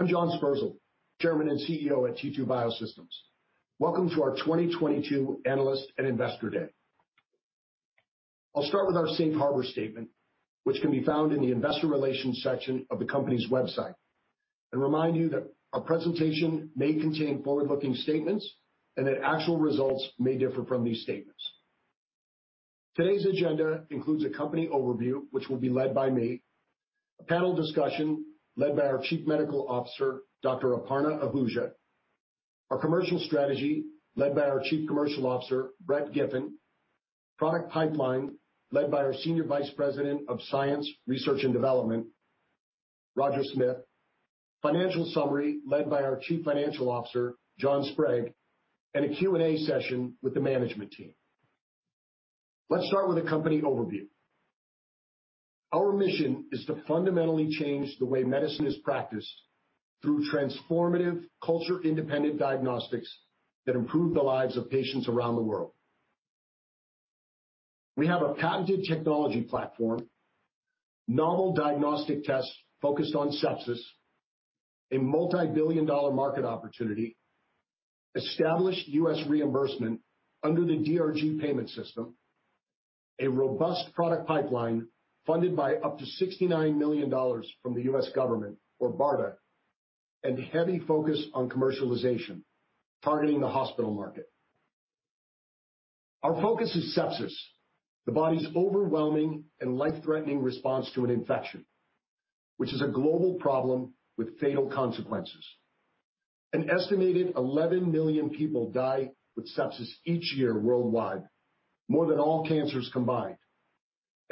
I'm John Sperzel, Chairman and CEO at T2 Biosystems. Welcome to our 2022 Analyst and Investor Day. I'll start with our safe harbor statement, which can be found in the investor relations section of the company's website, and remind you that our presentation may contain forward-looking statements and that actual results may differ from these statements. Today's agenda includes a company overview, which will be led by me. A panel discussion led by our Chief Medical Officer, Dr. Aparna Ahuja. Our commercial strategy led by our Chief Commercial Officer, Brett Giffin. Product pipeline led by our Senior Vice President of Science Research and Development, Roger Smith. Financial summary led by our Chief Financial Officer, John Sprague, and a Q&A session with the management team. Let's start with a company overview. Our mission is to fundamentally change the way medicine is practiced through transformative culture-independent diagnostics that improve the lives of patients around the world. We have a patented technology platform, novel diagnostic tests focused on sepsis, a multi-billion-dollar market opportunity, established U.S. reimbursement under the DRG payment system, a robust product pipeline funded by up to $69 million from the U.S. government or BARDA, and heavy focus on commercialization targeting the hospital market. Our focus is sepsis, the body's overwhelming and life-threatening response to an infection, which is a global problem with fatal consequences. An estimated 11 million people die with sepsis each year worldwide, more than all cancers combined.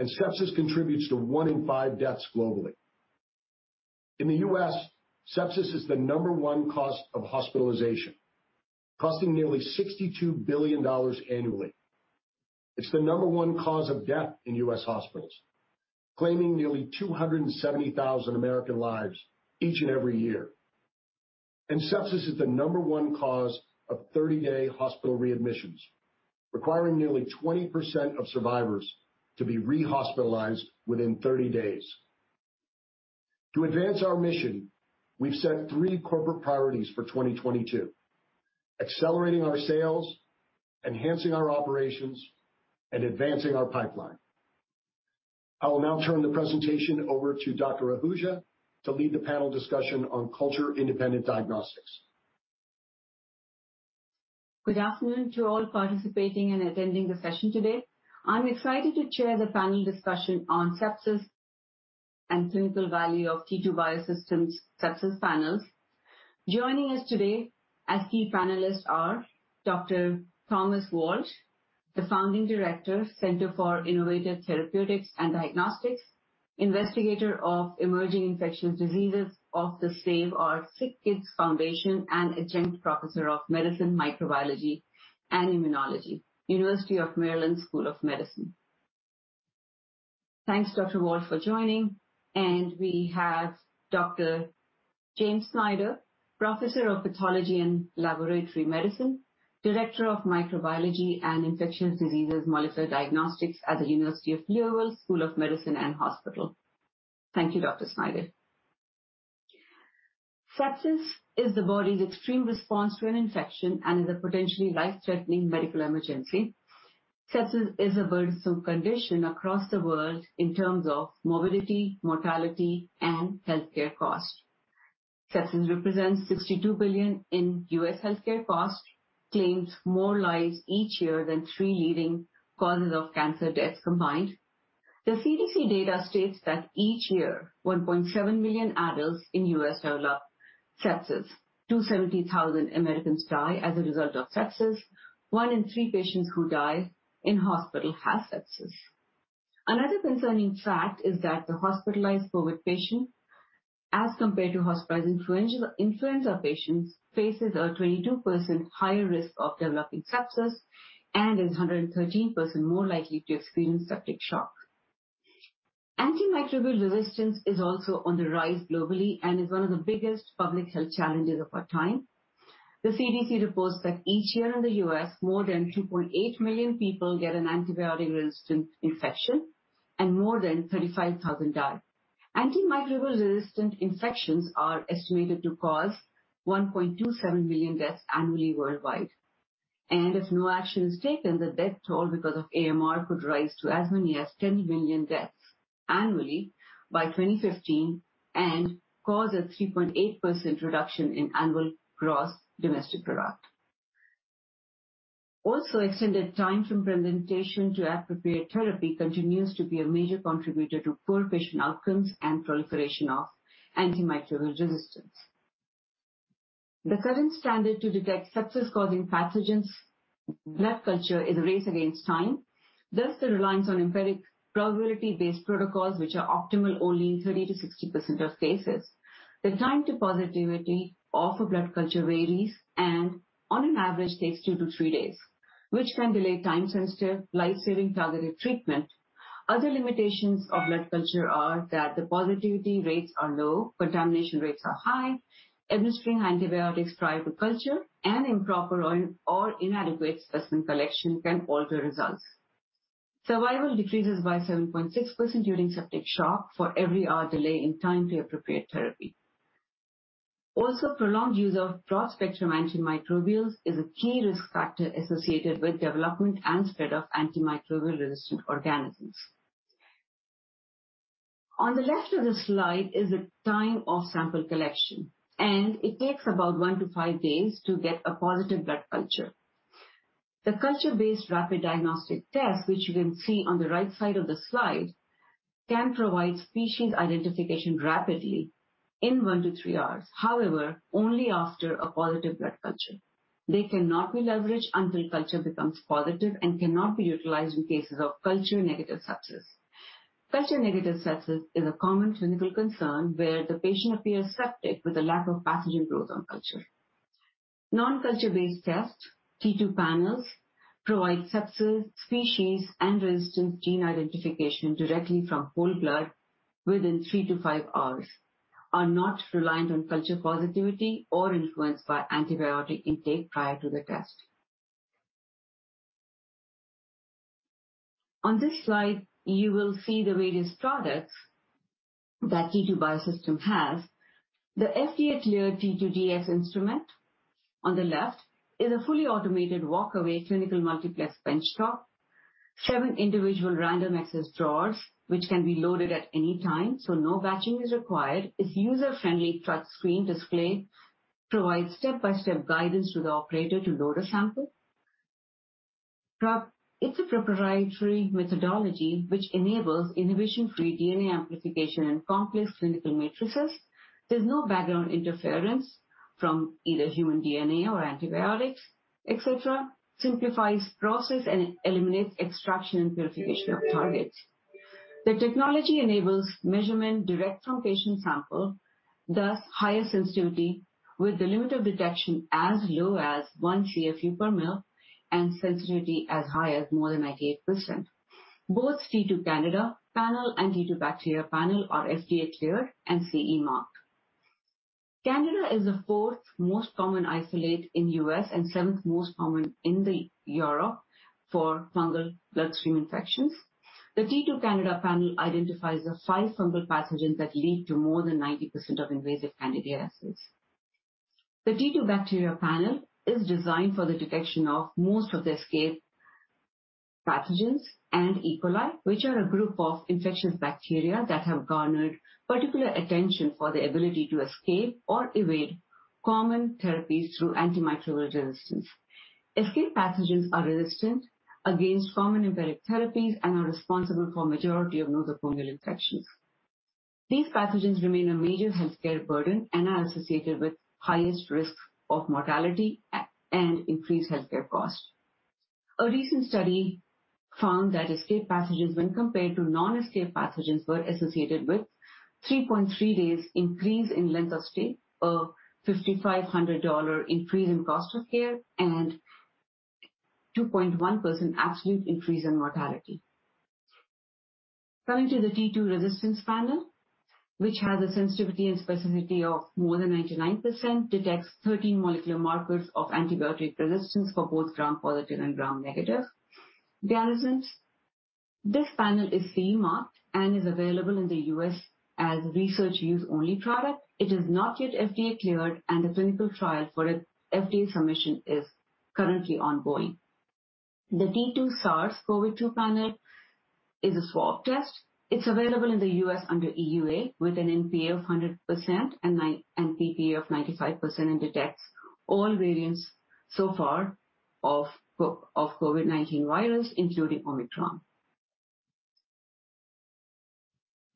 Sepsis contributes to one in five deaths globally. In the U.S., sepsis is the number one cause of hospitalization, costing nearly $62 billion annually. It's the number one cause of death in U.S. hospitals, claiming nearly 270,000 American lives each and every year. Sepsis is the number one cause of 30-day hospital readmissions, requiring nearly 20% of survivors to be re-hospitalized within 30 days. To advance our mission, we've set three corporate priorities for 2022: accelerating our sales, enhancing our operations, and advancing our pipeline. I will now turn the presentation over to Dr. Ahuja to lead the panel discussion on culture-independent diagnostics. Good afternoon to all participating and attending the session today. I'm excited to chair the panel discussion on sepsis and clinical value of T2 Biosystems sepsis panels. Joining us today as key panelists are Dr. Thomas Walsh, the Founding Director, Center for Innovative Therapeutics and Diagnostics, Investigator of Emerging Infectious Diseases of the Save Our Sick Kids Foundation, and Adjunct Professor of Medicine, Microbiology, and Immunology, University of Maryland School of Medicine. Thanks, Dr. Walsh, for joining. We have Dr. James Snyder, Professor of Pathology and Laboratory Medicine, Director of Microbiology and Infectious Diseases Molecular Diagnostics at the University of Louisville School of Medicine. Thank you, Dr. Snyder. Sepsis is the body's extreme response to an infection and is a potentially life-threatening medical emergency. Sepsis is a burdensome condition across the world in terms of morbidity, mortality, and healthcare cost. Sepsis represents $62 billion in U.S. healthcare cost, claims more lives each year than three leading causes of cancer deaths combined. The CDC data states that each year, 1.7 million adults in U.S. develop sepsis. 270,000 Americans die as a result of sepsis. One in three patients who die in hospital have sepsis. Another concerning fact is that the hospitalized COVID-19 patient, as compared to hospitalized influenza patients, faces a 22% higher risk of developing sepsis and is 113% more likely to experience septic shock. Antimicrobial resistance is also on the rise globally and is one of the biggest public health challenges of our time. The CDC reports that each year in the U.S., more than 2.8 million people get an antibiotic-resistant infection and more than 35,000 die. Antimicrobial-resistant infections are estimated to cause 1.27 million deaths annually worldwide. If no action is taken, the death toll because of AMR could rise to as many as 10 million deaths annually by 2050 and cause a 3.8% reduction in annual gross domestic product. Also, extended time from presentation to appropriate therapy continues to be a major contributor to poor patient outcomes and proliferation of antimicrobial resistance. The current standard to detect sepsis-causing pathogens, blood culture, is a race against time, thus the reliance on empiric probability-based protocols which are optimal only in 30%-60% of cases. The time to positivity of a blood culture varies and on an average takes two to three days, which can delay time-sensitive, life-saving targeted treatment. Other limitations of blood culture are that the positivity rates are low, contamination rates are high, administering antibiotics prior to culture and improper or inadequate specimen collection can alter results. Survival decreases by 7.6% during septic shock for every hour delay in time to appropriate therapy. Also, prolonged use of broad-spectrum antimicrobials is a key risk factor associated with development and spread of antimicrobial resistant organisms. On the left of the slide is the time of sample collection, and it takes about one to five days to get a positive blood culture. The culture-based rapid diagnostic test, which you can see on the right side of the slide, can provide species identification rapidly in one to three hours, however, only after a positive blood culture. They cannot be leveraged until culture becomes positive and cannot be utilized in cases of culture negative sepsis. Culture negative sepsis is a common clinical concern where the patient appears septic with a lack of pathogen growth on culture. Non-culture-based test, T2 panels provide sepsis, species, and resistance gene identification directly from whole blood within three to five hours, are not reliant on culture positivity or influenced by antibiotic intake prior to the test. On this slide, you will see the various products that T2 Biosystems has. The FDA-cleared T2Dx Instrument on the left is a fully automated walkaway clinical multiplex benchtop. Seven individual random access drawers, which can be loaded at any time, so no batching is required. Its user-friendly touch screen display provides step-by-step guidance to the operator to load a sample. It's a proprietary methodology which enables inhibition-free DNA amplification in complex clinical matrices. There's no background interference from either human DNA or antibiotics, et cetera. Simplifies process and eliminates extraction and purification of targets. The technology enables measurement direct from patient sample, thus higher sensitivity with the limit of detection as low as 1 CFU/mL and sensitivity as high as more than 98%. Both T2Candida Panel and T2Bacteria Panel are FDA-cleared and CE marked. Candida is the fourth most common isolate in U.S. and seventh most common in Europe for fungal bloodstream infections. The T2Candida Panel identifies the five fungal pathogens that lead to more than 90% of invasive candidiasis. The T2Bacteria Panel is designed for the detection of most of the ESKAPE pathogens and E. coli, which are a group of infectious bacteria that have garnered particular attention for their ability to escape or evade common therapies through antimicrobial resistance. ESKAPE pathogens are resistant against common empirical therapies and are responsible for majority of nosocomial infections. These pathogens remain a major healthcare burden and are associated with highest risk of mortality and increased healthcare cost. A recent study found that ESKAPE pathogens when compared to non-ESKAPE pathogens were associated with 3.3 days increase in length of stay, a $5,500 increase in cost of care, and 2.1% absolute increase in mortality. Coming to the T2Resistance Panel, which has a sensitivity and specificity of more than 99%, detects 13 molecular markers of antibiotic resistance for both gram-positive and gram-negative organisms. This panel is CE marked and is available in the U.S. as research use only product. It is not yet FDA cleared and the clinical trial for its FDA submission is currently ongoing. The T2SARS-CoV-2 Panel is a swab test. It's available in the U.S. under EUA with an NPA of 100% and PPA of 95%. It detects all variants so far of COVID-19 virus, including Omicron.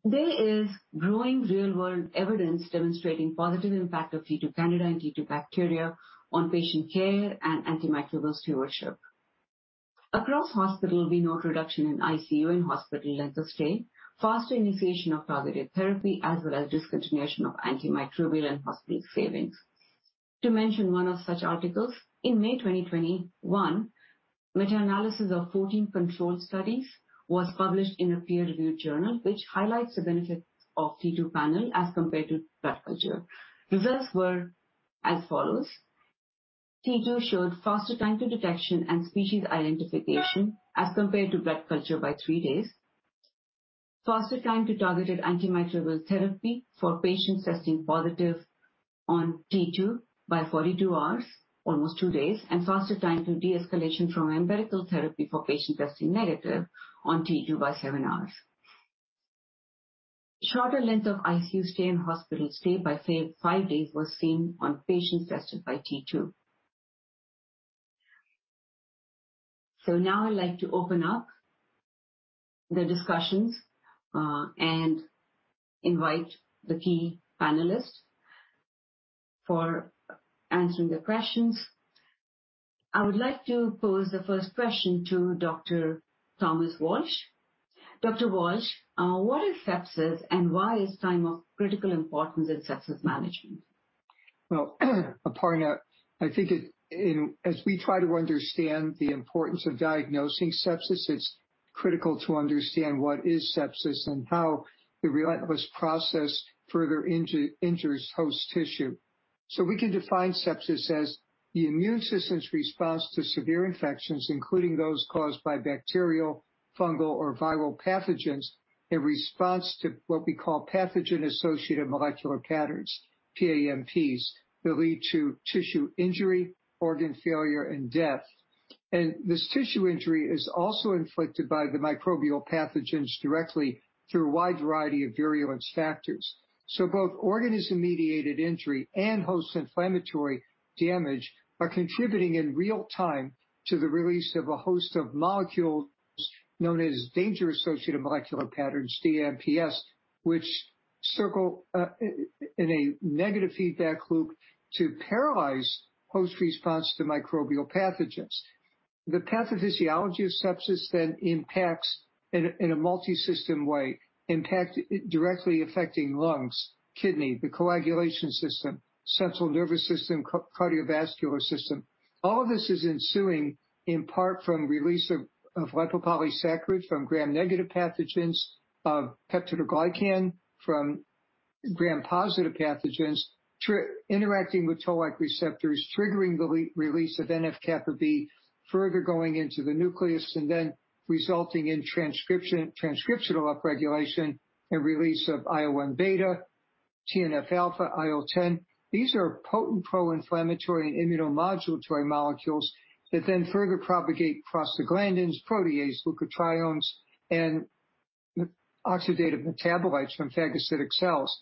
There is growing real-world evidence demonstrating positive impact of T2Candida and T2Bacteria on patient care and antimicrobial stewardship. Across hospitals, we note reduction in ICU and hospital length of stay, faster initiation of targeted therapy, as well as discontinuation of antimicrobials and hospital savings. To mention one of such articles, in May 2021, meta-analysis of 14 controlled studies was published in a peer-reviewed journal, which highlights the benefits of T2 panel as compared to blood culture. Results were as follows. T2 showed faster time to detection and species identification as compared to blood culture by three days, faster time to targeted antimicrobial therapy for patients testing positive on T2 by 42 hours, almost two days, and faster time to de-escalation from empirical therapy for patients testing negative on T2 by seven hours. Shorter length of ICU stay and hospital stay by five days was seen on patients tested by T2. Now I'd like to open up the discussions and invite the key panelists for answering the questions. I would like to pose the first question to Dr. Thomas Walsh. Dr. Walsh, what is sepsis and why is time of critical importance in sepsis management? Well, Aparna, I think, as we try to understand the importance of diagnosing sepsis, it's critical to understand what is sepsis and how the relentless process further injures host tissue. We can define sepsis as the immune system's response to severe infections, including those caused by bacterial, fungal, or viral pathogens in response to what we call pathogen-associated molecular patterns, PAMPs, that lead to tissue injury, organ failure, and death. This tissue injury is also inflicted by the microbial pathogens directly through a wide variety of virulence factors. Both organism-mediated injury and host inflammatory damage are contributing in real time to the release of a host of molecules known as danger-associated molecular patterns, DAMPs, which circulate in a negative feedback loop to paralyze host response to microbial pathogens. The pathophysiology of sepsis impacts in a multi-system way, directly affecting lungs, kidney, the coagulation system, central nervous system, cardiovascular system. All of this is ensuing in part from release of lipopolysaccharides from gram-negative pathogens, of peptidoglycan from gram-positive pathogens interacting with toll-like receptors, triggering the re-release of NF-κB, further going into the nucleus and then resulting in transcriptional upregulation and release of IL-1β, TNF-α, IL-10. These are potent pro-inflammatory and immunomodulatory molecules that then further propagate prostaglandins, protease, leukotrienes, and oxidative metabolites from phagocytic cells.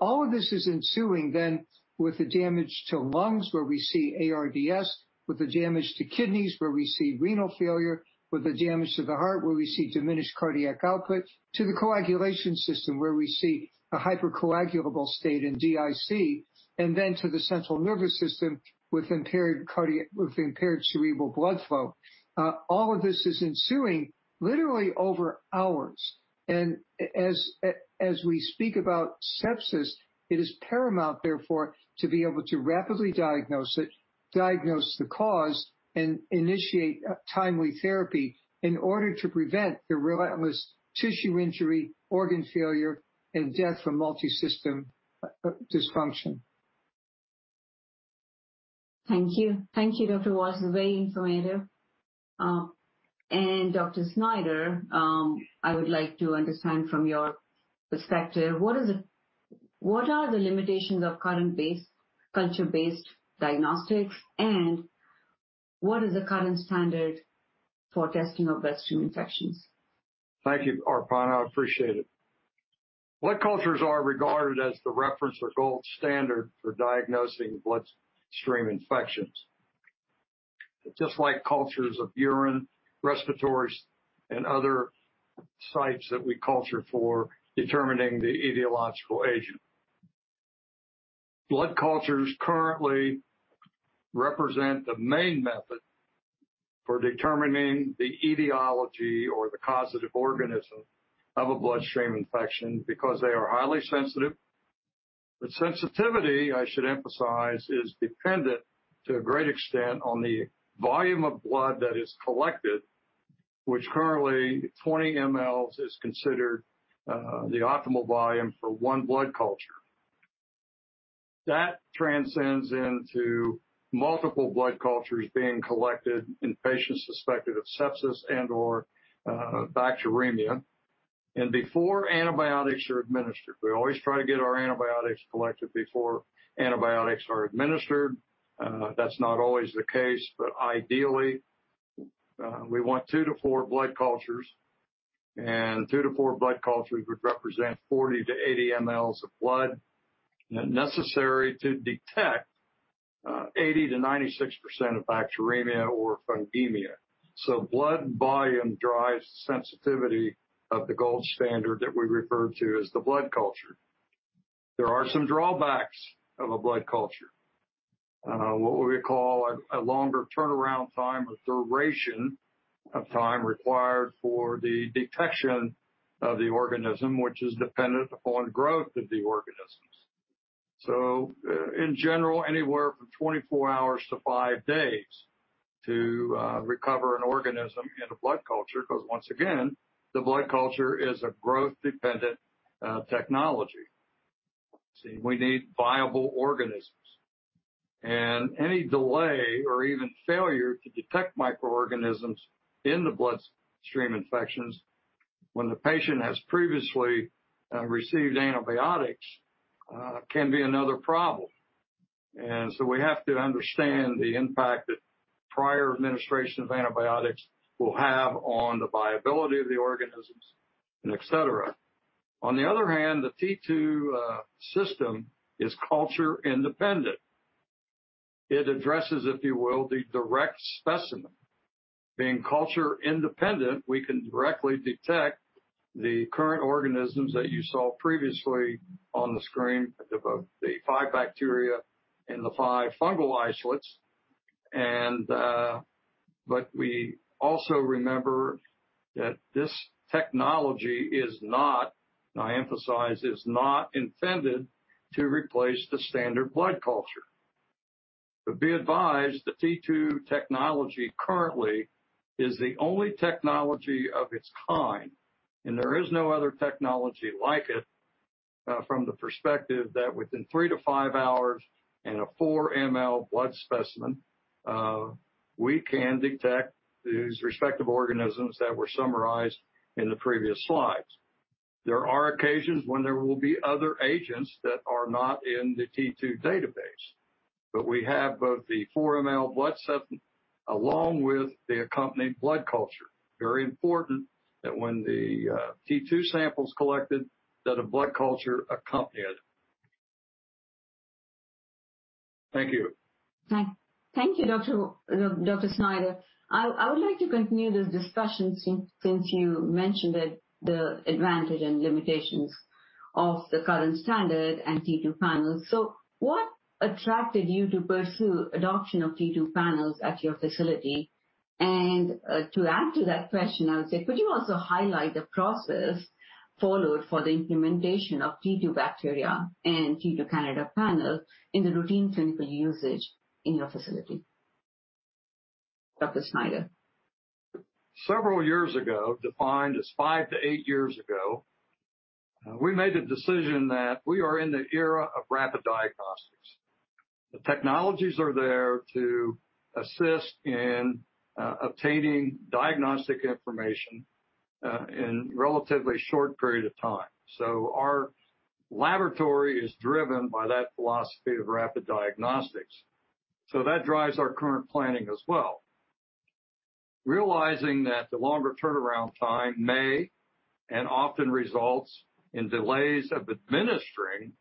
All of this is ensuing then with the damage to lungs, where we see ARDS, with the damage to kidneys, where we see renal failure, with the damage to the heart, where we see diminished cardiac output, to the coagulation system, where we see a hypercoagulable state in DIC, and then to the central nervous system with impaired cerebral blood flow. All of this is ensuing literally over hours. As we speak about sepsis, it is paramount therefore to be able to rapidly diagnose it, diagnose the cause, and initiate a timely therapy in order to prevent the relentless tissue injury, organ failure, and death from multi-system dysfunction. Thank you. Thank you, Dr. Walsh. Very informative. Dr. Snyder, I would like to understand from your perspective, what are the limitations of current culture-based diagnostics, and what is the current standard for testing of bloodstream infections? Thank you, Aparna. I appreciate it. Blood cultures are regarded as the reference or gold standard for diagnosing bloodstream infections, just like cultures of urine, respiratory, and other sites that we culture for determining the etiological agent. Blood cultures currently represent the main method for determining the etiology or the causative organism of a bloodstream infection because they are highly sensitive. The sensitivity, I should emphasize, is dependent to a great extent on the volume of blood that is collected, which currently 20 mL is considered the optimal volume for one blood culture. That translates into multiple blood cultures being collected in patients suspected of sepsis and/or bacteremia. Before antibiotics are administered, we always try to get our blood cultures collected before antibiotics are administered. That's not always the case, but ideally, we want two to four blood cultures. Two to four blood cultures would represent 40 mL-80 mL of blood necessary to detect 80%-96% of bacteremia or fungemia. Blood volume drives sensitivity of the gold standard that we refer to as the blood culture. There are some drawbacks of a blood culture, what we call a longer turnaround time or duration of time required for the detection of the organism, which is dependent upon growth of the organisms. In general, anywhere from 24 hours to five days to recover an organism in a blood culture, 'cause once again, the blood culture is a growth-dependent technology. We need viable organisms. Any delay or even failure to detect microorganisms in the bloodstream infections when the patient has previously received antibiotics can be another problem. We have to understand the impact that prior administration of antibiotics will have on the viability of the organisms, and et cetera. On the other hand, the T2 system is culture independent. It addresses, if you will, the direct specimen. Being culture independent, we can directly detect the current organisms that you saw previously on the screen, the five bacteria and the five fungal isolates. But we also remember that this technology is not, and I emphasize, is not intended to replace the standard blood culture. Be advised, the T2 technology currently is the only technology of its kind, and there is no other technology like it, from the perspective that within three to five hours in a 4 mL blood specimen, we can detect these respective organisms that were summarized in the previous slides. There are occasions when there will be other agents that are not in the T2 database. We have both the 4-mL blood specimen along with the accompanying blood culture. Very important that when the T2 sample's collected, that a blood culture accompany it. Thank you. Thank you, Doctor Snyder. I would like to continue this discussion since you mentioned it, the advantage and limitations of the current standard and T2 panels. What attracted you to pursue adoption of T2 panels at your facility? To add to that question, I would say could you also highlight the process followed for the implementation of T2Bacteria Panel and T2Candida Panel in the routine clinical usage in your facility? Doctor Snyder. Several years ago, defined as five to eight years ago, we made the decision that we are in the era of rapid diagnostics. The technologies are there to assist in obtaining diagnostic information in relatively short period of time. Our laboratory is driven by that philosophy of rapid diagnostics. That drives our current planning as well. Realizing that the longer turnaround time may and often results in delays of administering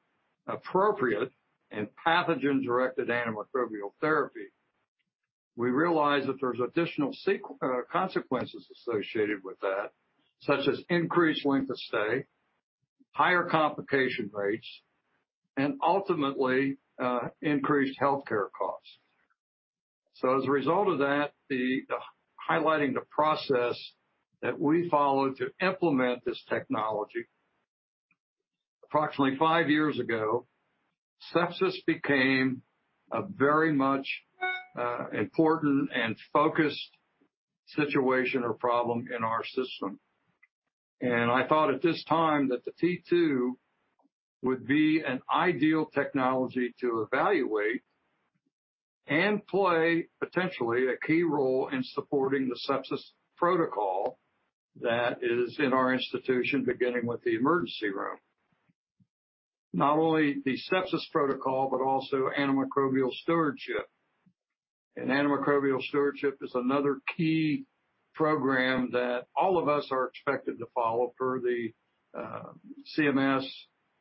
appropriate and pathogen-directed antimicrobial therapy, we realize that there's additional consequences associated with that, such as increased length of stay, higher complication rates, and ultimately increased healthcare costs. As a result of that, highlighting the process that we followed to implement this technology, approximately five years ago, sepsis became a very important and focused situation or problem in our system. I thought at this time that the T2 would be an ideal technology to evaluate and play potentially a key role in supporting the sepsis protocol that is in our institution, beginning with the emergency room. Not only the sepsis protocol, but also antimicrobial stewardship. Antimicrobial stewardship is another key program that all of us are expected to follow per the CMS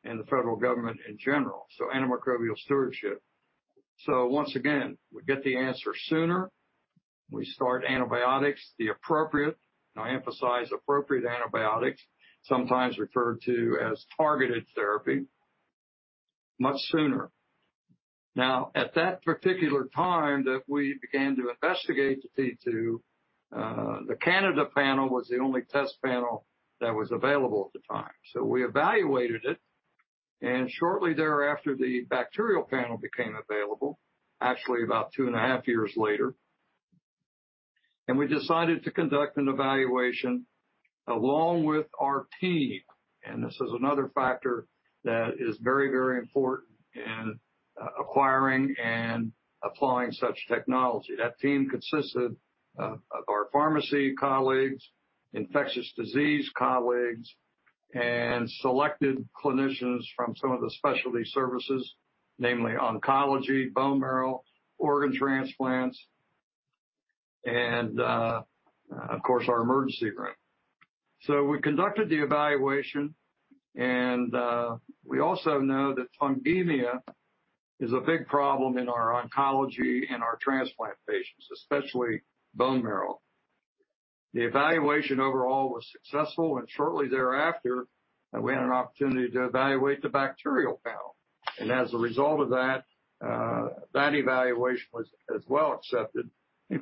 and the federal government in general. Antimicrobial stewardship. Once again, we get the answer sooner. We start antibiotics, the appropriate, and I emphasize appropriate antibiotics, sometimes referred to as targeted therapy, much sooner. Now, at that particular time that we began to investigate the T2, the T2Candida Panel was the only test panel that was available at the time. We evaluated it, and shortly thereafter, the T2Bacteria Panel became available, actually about 2.5 years later. We decided to conduct an evaluation along with our team, and this is another factor that is very, very important in acquiring and applying such technology. That team consisted of our pharmacy colleagues, infectious disease colleagues, and selected clinicians from some of the specialty services, namely oncology, bone marrow, organ transplants, and of course, our emergency room. We conducted the evaluation, and we also know that fungemia is a big problem in our oncology and our transplant patients, especially bone marrow. The evaluation overall was successful, and shortly thereafter, we had an opportunity to evaluate the bacterial panel. As a result of that evaluation was as well accepted.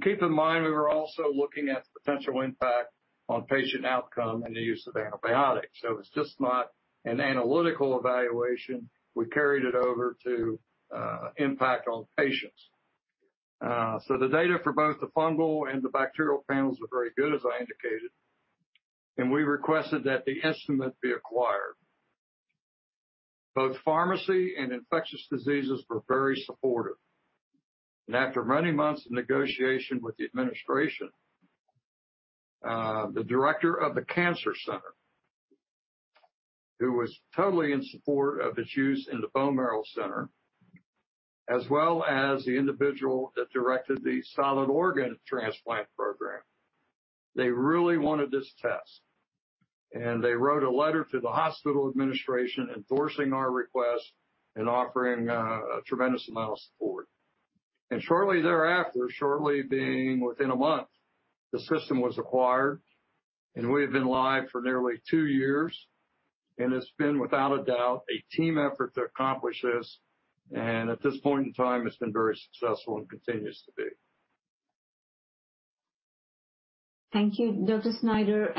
Keep in mind, we were also looking at the potential impact on patient outcome and the use of antibiotics. It's just not an analytical evaluation. We carried it over to impact on patients. The data for both the fungal and the bacterial panels were very good, as I indicated. We requested that the instrument be acquired. Both pharmacy and infectious diseases were very supportive. After many months of negotiation with the administration, the director of the cancer center, who was totally in support of its use in the bone marrow center, as well as the individual that directed the solid organ transplant program, they really wanted this test. They wrote a letter to the hospital administration endorsing our request and offering a tremendous amount of support. Shortly thereafter, shortly being within a month, the system was acquired, and we have been live for nearly two years. It's been, without a doubt, a team effort to accomplish this. At this point in time, it's been very successful and continues to be. Thank you, Dr. Snyder.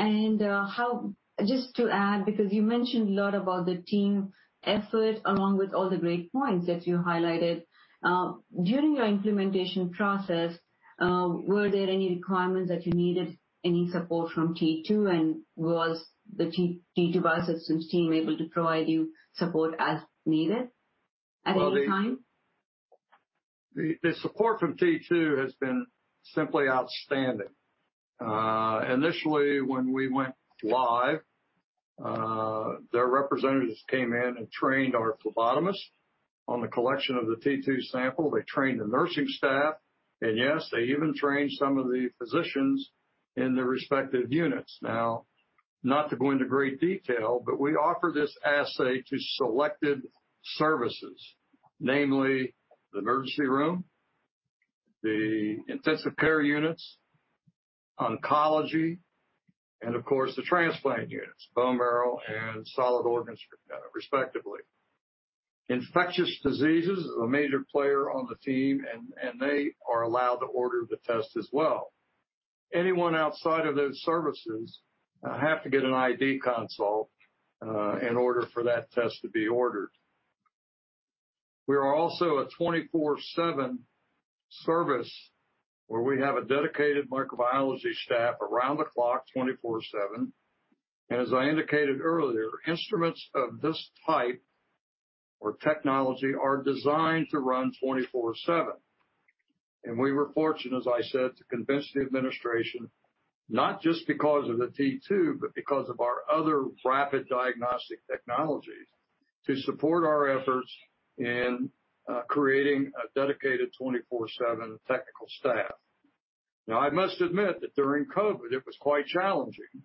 Just to add, because you mentioned a lot about the team effort along with all the great points that you highlighted. During your implementation process, were there any requirements that you needed any support from T2? Was the T2 Biosystems team able to provide you support as needed at any time? The support from T2 has been simply outstanding. Initially when we went live, their representatives came in and trained our phlebotomists on the collection of the T2 sample. They trained the nursing staff and yes, they even trained some of the physicians in their respective units. Now, not to go into great detail, but we offer this assay to selected services, namely the emergency room, the intensive care units, oncology, and of course the transplant units, bone marrow and solid organs, respectively. Infectious Diseases is a major player on the team, and they are allowed to order the test as well. Anyone outside of those services have to get an ID consult in order for that test to be ordered. We are also a 24/7 service where we have a dedicated microbiology staff around the clock 24/7. As I indicated earlier, instruments of this type or technology are designed to run 24/7. We were fortunate, as I said, to convince the administration, not just because of the T2, but because of our other rapid diagnostic technologies, to support our efforts in creating a dedicated 24/7 technical staff. Now, I must admit that during COVID-19 it was quite challenging.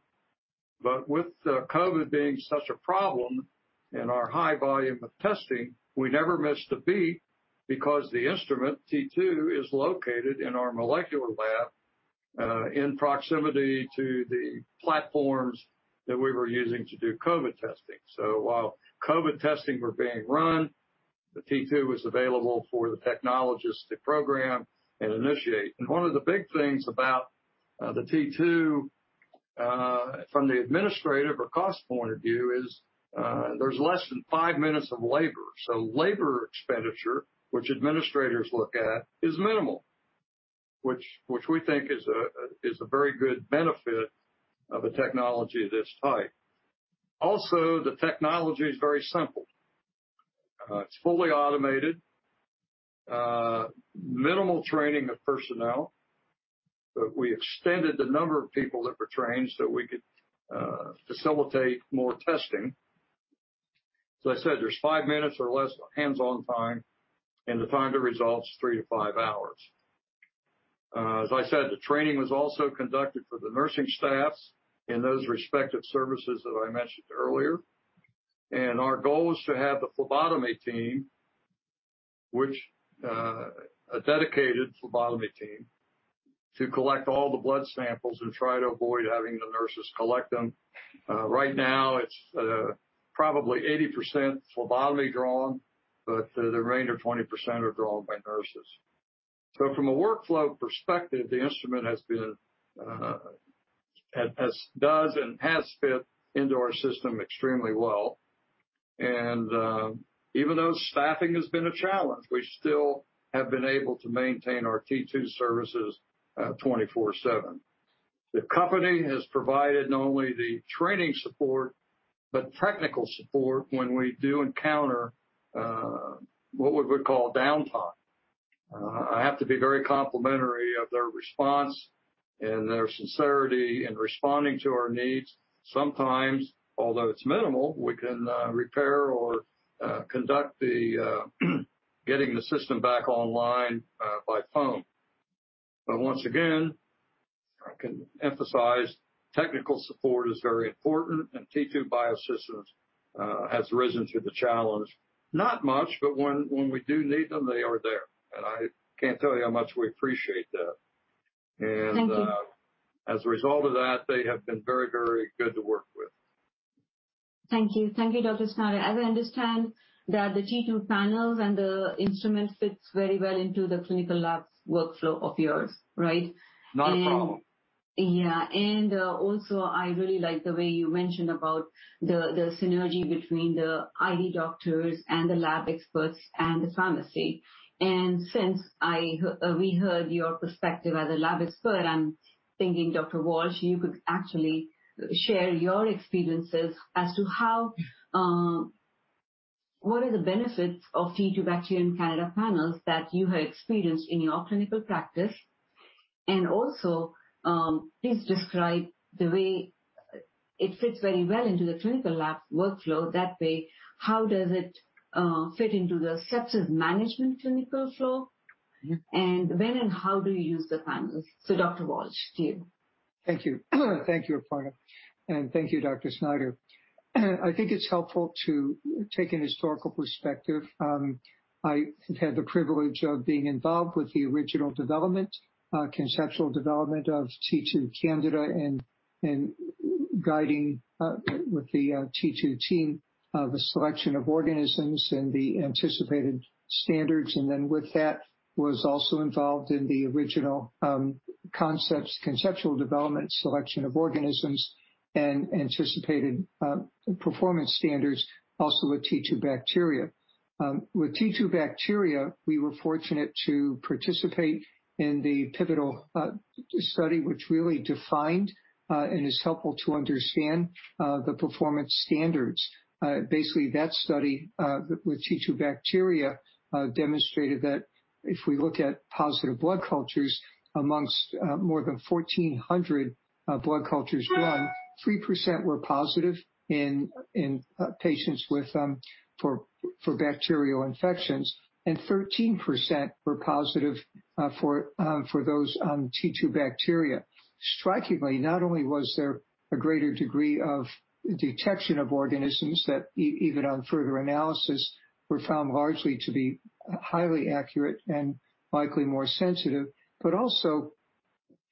With COVID-19 being such a problem in our high volume of testing, we never missed a beat because the instrument T2 is located in our molecular lab in proximity to the platforms that we were using to do COVID-19 testing. While COVID-19 testing were being run, the T2 was available for the technologist to program and initiate. One of the big things about the T2 from the administrative or cost point of view is there's less than five minutes of labor. Labor expenditure, which administrators look at, is minimal. Which we think is a very good benefit of a technology of this type. Also, the technology is very simple. It's fully automated. Minimal training of personnel, but we extended the number of people that were trained so we could facilitate more testing. As I said, there's five minutes or less hands-on time, and the time to result's three to five hours. As I said, the training was also conducted for the nursing staffs in those respective services that I mentioned earlier. Our goal is to have the phlebotomy team, which, a dedicated phlebotomy team, to collect all the blood samples and try to avoid having the nurses collect them. Right now it's probably 80% phlebotomy drawn, but the remainder 20% are drawn by nurses. From a workflow perspective, the instrument does and has fit into our system extremely well. Even though staffing has been a challenge, we still have been able to maintain our T2 services 24/7. The company has provided not only the training support but technical support when we do encounter what we would call downtime. I have to be very complimentary of their response and their sincerity in responding to our needs. Sometimes, although it's minimal, we can repair or conduct getting the system back online by phone. Once again, I can emphasize technical support is very important and T2 Biosystems has risen to the challenge. Not much, but when we do need them, they are there, and I can't tell you how much we appreciate that. Thank you. As a result of that, they have been very, very good to work with. Thank you. Thank you, Dr. Snyder. As I understand that the T2 panels and the instrument fits very well into the clinical labs workflow of yours, right? Not a problem. Yeah. Also I really like the way you mentioned about the synergy between the ID doctors and the lab experts and the pharmacy. Since we heard your perspective as a lab expert, I'm thinking, Dr. Walsh, you could actually share your experiences as to how what are the benefits of T2Bacteria Panel and T2Candida Panel that you have experienced in your clinical practice. Please describe the way it fits very well into the clinical lab workflow that way. How does it fit into the sepsis management clinical flow? When and how do you use the panels? Dr. Walsh to you. Thank you. Thank you, Aparna, and thank you, Dr. Snyder. I think it's helpful to take an historical perspective. I have had the privilege of being involved with the original development, conceptual development of T2Candida and guiding with the T2 team the selection of organisms and the anticipated standards, and then with that was also involved in the original concepts, conceptual development, selection of organisms and anticipated performance standards also with T2Bacteria. With T2Bacteria, we were fortunate to participate in the pivotal study, which really defined and is helpful to understand the performance standards. Basically that study with T2Bacteria demonstrated that if we look at positive blood cultures amongst more than 1,400 blood cultures drawn, 3% were positive in patients with for bacterial infections, and 13% were positive for those T2Bacteria. Strikingly, not only was there a greater degree of detection of organisms that even on further analysis were found largely to be highly accurate and likely more sensitive, but also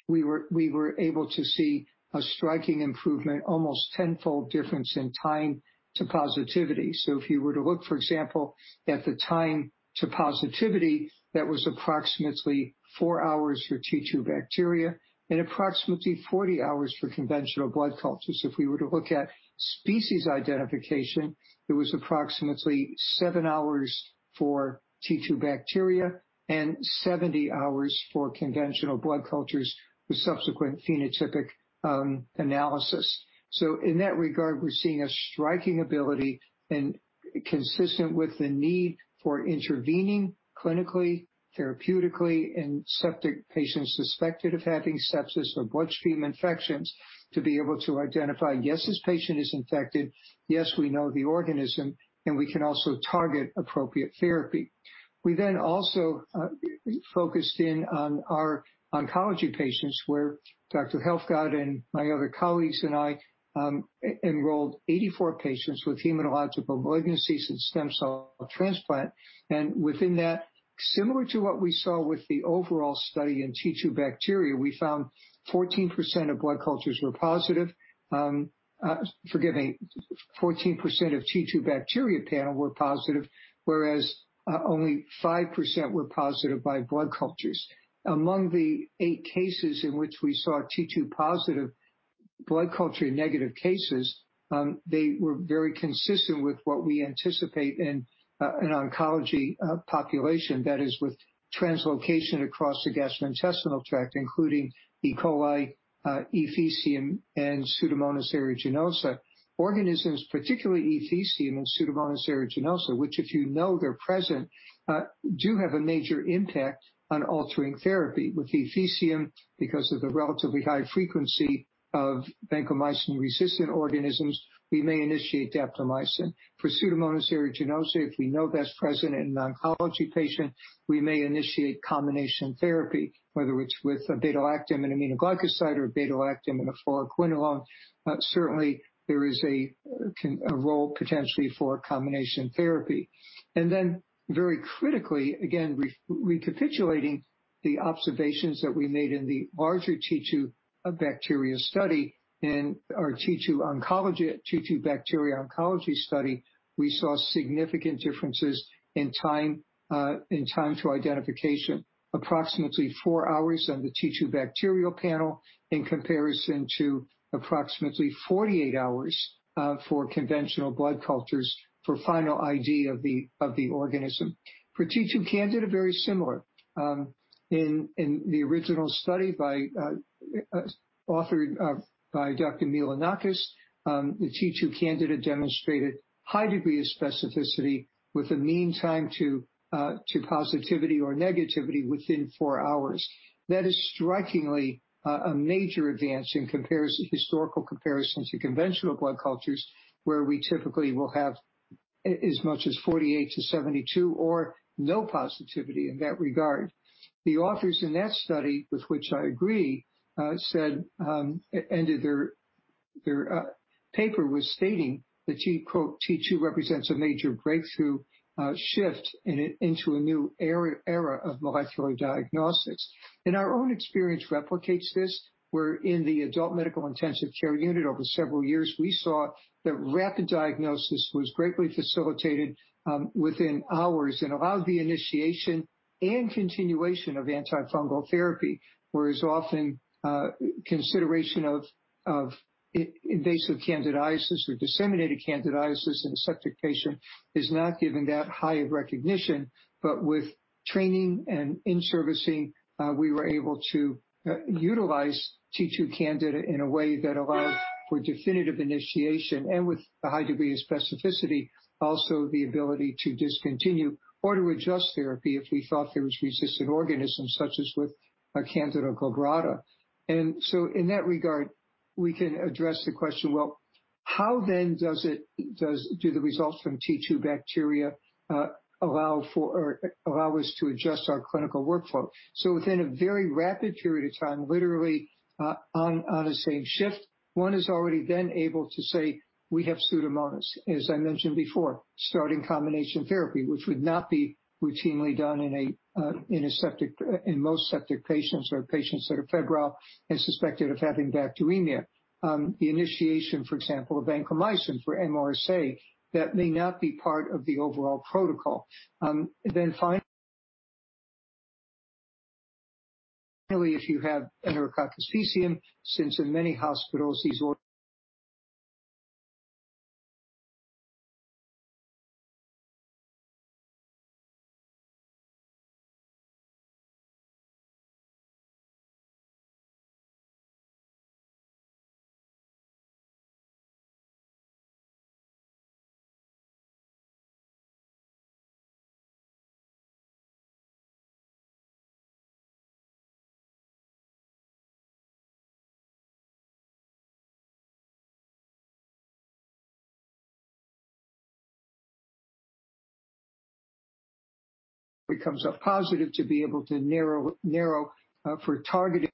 we were able to see a striking improvement, almost tenfold difference in time to positivity. If you were to look, for example, at the time to positivity, that was approximately four hours for T2Bacteria and approximately 40 hours for conventional blood cultures. If we were to look at species identification, it was approximately seven hours for T2Bacteria and 70 hours for conventional blood cultures with subsequent phenotypic analysis. In that regard, we're seeing a striking ability and consistent with the need for intervening clinically, therapeutically in septic patients suspected of having sepsis or bloodstream infections to be able to identify, yes, this patient is infected, yes, we know the organism, and we can also target appropriate therapy. We then also focused in on our oncology patients, where Dr. Helfgott and my other colleagues and I enrolled 84 patients with hematological malignancies and stem cell transplant. Within that, similar to what we saw with the overall study in T2Bacteria, we found 14% of blood cultures were positive. Forgive me, 14% of T2Bacteria Panel were positive, whereas only 5% were positive by blood cultures. Among the eight cases in which we saw T2 positive blood culture negative cases, they were very consistent with what we anticipate in an oncology population. That is, with translocation across the gastrointestinal tract, including E. coli, Enterococcus faecium, and Pseudomonas aeruginosa. Organisms, particularly Enterococcus faecium and Pseudomonas aeruginosa, which if you know they're present, do have a major impact on altering therapy. With Enterococcus faecium, because of the relatively high frequency of vancomycin-resistant organisms, we may initiate daptomycin. For Pseudomonas aeruginosa, if we know that's present in an oncology patient, we may initiate combination therapy, whether it's with a beta-lactam and aminoglycoside or a beta-lactam and a fluoroquinolone. Certainly there is a role potentially for combination therapy. Very critically, again recapitulating the observations that we made in the larger T2 bacteria study in our T2 bacteria oncology study, we saw significant differences in time to identification. Approximately four hours on the T2Bacteria Panel in comparison to approximately 48 hours for conventional blood cultures for final ID of the organism. For T2Candida, very similar. In the original study authored by Dr. Mylonakis, the T2Candida demonstrated high degree of specificity with a mean time to positivity or negativity within four hours. That is strikingly a major advance in historical comparison to conventional blood cultures, where we typically will have as much as 48-72 hours or no positivity in that regard. The authors in that study, with which I agree, said and ended their paper with stating that, quote, "T2 represents a major breakthrough, shift into a new era of molecular diagnostics." Our own experience replicates this, where in the adult medical intensive care unit over several years we saw that rapid diagnosis was greatly facilitated within hours and allowed the initiation and continuation of antifungal therapy. Whereas often consideration of invasive candidiasis or disseminated candidiasis in a septic patient is not given that high of recognition. With training and in-servicing, we were able to utilize T2Candida in a way that allowed for definitive initiation and with a high degree of specificity, also the ability to discontinue or to adjust therapy if we thought there was resistant organisms such as with a Candida glabrata. In that regard, we can address the question, how then do the results from T2Bacteria allow us to adjust our clinical workflow? Within a very rapid period of time, literally, on the same shift, one is already then able to say, "We have Pseudomonas." As I mentioned before, starting combination therapy, which would not be routinely done in most septic patients or patients that are febrile and suspected of having bacteremia. The initiation, for example, of vancomycin for MRSA, that may not be part of the overall protocol. Then finally, only if you have Enterococcus faecium since in many hospitals these are positive to be able to narrow for targeting.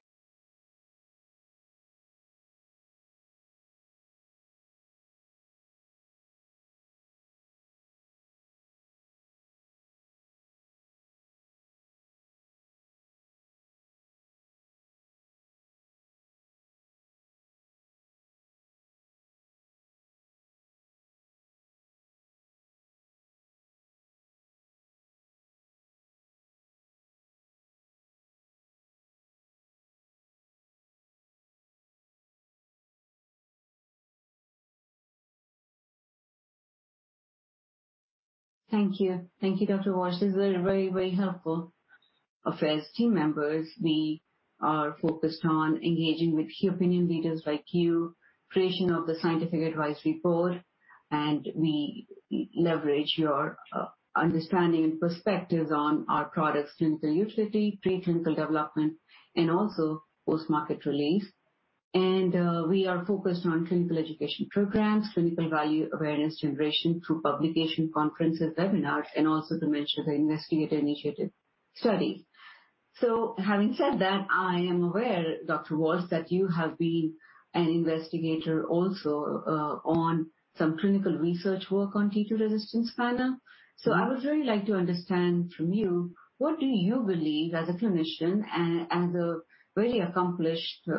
Thank you. Thank you, Dr. Walsh. This is very, very helpful. Affairs team members, we are focused on engaging with key opinion leaders like you, creation of the scientific advisory board, and we leverage your understanding and perspectives on our product's clinical utility, preclinical development, and also post-market release. We are focused on clinical education programs, clinical value awareness generation through publication conferences, webinars, and also to mention the investigator-initiated study. Having said that, I am aware, Dr. Walsh, that you have been an investigator also on some clinical research work on T2Resistance Panel. I would really like to understand from you, what do you believe as a clinician and a very accomplished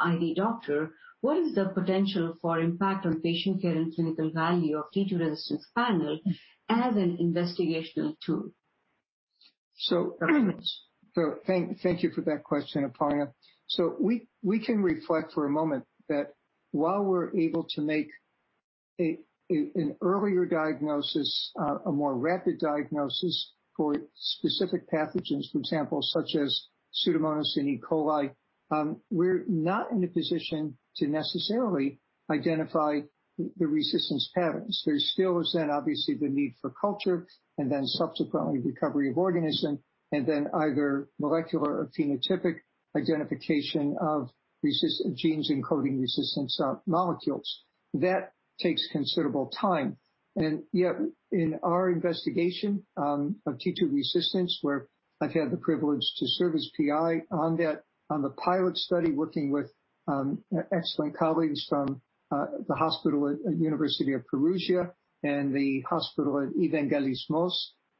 ID doctor, what is the potential for impact on patient care and clinical value of T2Resistance Panel as an investigational tool? Thank you for that question, Aparna. We can reflect for a moment that while we're able to make an earlier diagnosis, a more rapid diagnosis for specific pathogens, for example, such as Pseudomonas and E. coli, we're not in a position to necessarily identify the resistance patterns. There's still then obviously the need for culture and then subsequently recovery of organism and then either molecular or phenotypic identification of genes encoding resistance, molecules. That takes considerable time. Yet in our investigation of T2Resistance, where I've had the privilege to serve as PI on the pilot study, working with excellent colleagues from the hospital at University of Perugia and the hospital at Evangelismos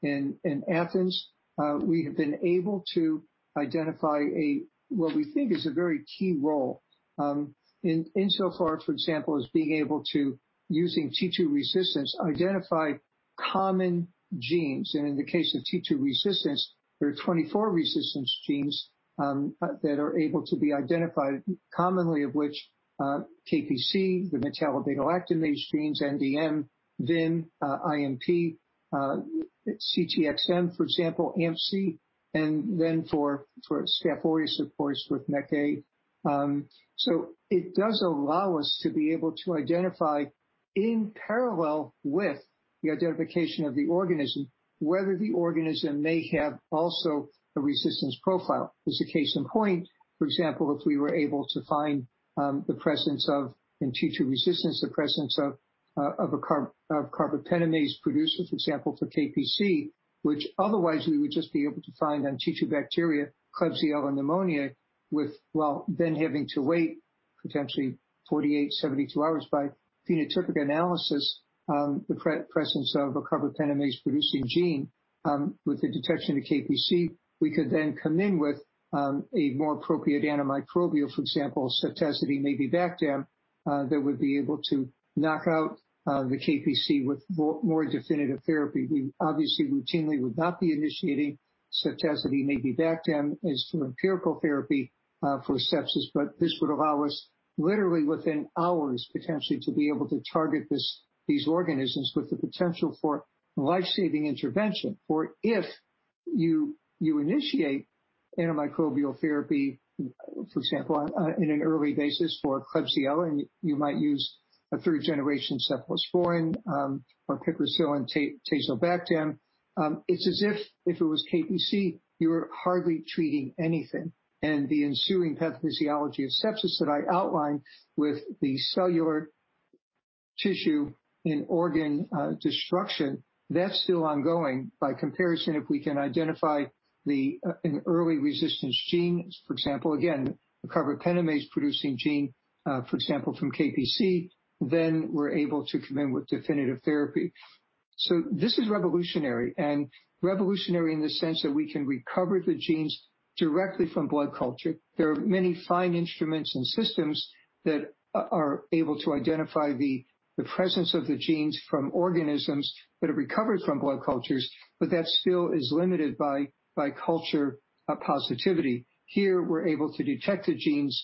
in Athens, we have been able to identify a... What we think is a very key role, insofar, for example, as being able to, using T2Resistance, identify common genes. In the case of T2Resistance, there are 24 resistance genes that are able to be identified, commonly of which, KPC, the metallo-beta-lactamase genes, NDM, VIM, IMP, CTX-M, for example, AMP-C, and then for Staph aureus, of course, with mecA. So it does allow us to be able to identify in parallel with the identification of the organism, whether the organism may have also a resistance profile. As a case in point, for example, if we were able to find the presence of in T2Resistance, the presence of a carbapenemase producer, for example, for KPC, which otherwise we would just be able to find on T2Bacteria, Klebsiella pneumoniae, then having to wait potentially 48-72 hours by phenotypic analysis, the presence of a carbapenemase-producing gene with the detection of KPC. We could then come in with a more appropriate antimicrobial, for example, ceftazidime-avibactam, that would be able to knock out the KPC with more definitive therapy. We obviously routinely would not be initiating ceftazidime-avibactam as empirical therapy for sepsis, but this would allow us literally within hours, potentially, to be able to target these organisms with the potential for life-saving intervention. If you initiate antimicrobial therapy, for example, in an early basis for Klebsiella, and you might use a third-generation cephalosporin, or piperacillin-tazobactam. It's as if it was KPC, you're hardly treating anything. The ensuing pathophysiology of sepsis that I outlined with the cellular tissue and organ destruction, that's still ongoing. By comparison, if we can identify an early resistance gene, for example, again, a carbapenemase-producing gene, for example, from KPC, then we're able to come in with definitive therapy. This is revolutionary, and revolutionary in the sense that we can recover the genes directly from blood culture. There are many fine instruments and systems that are able to identify the presence of the genes from organisms that are recovered from blood cultures, but that still is limited by culture positivity. Here, we're able to detect the genes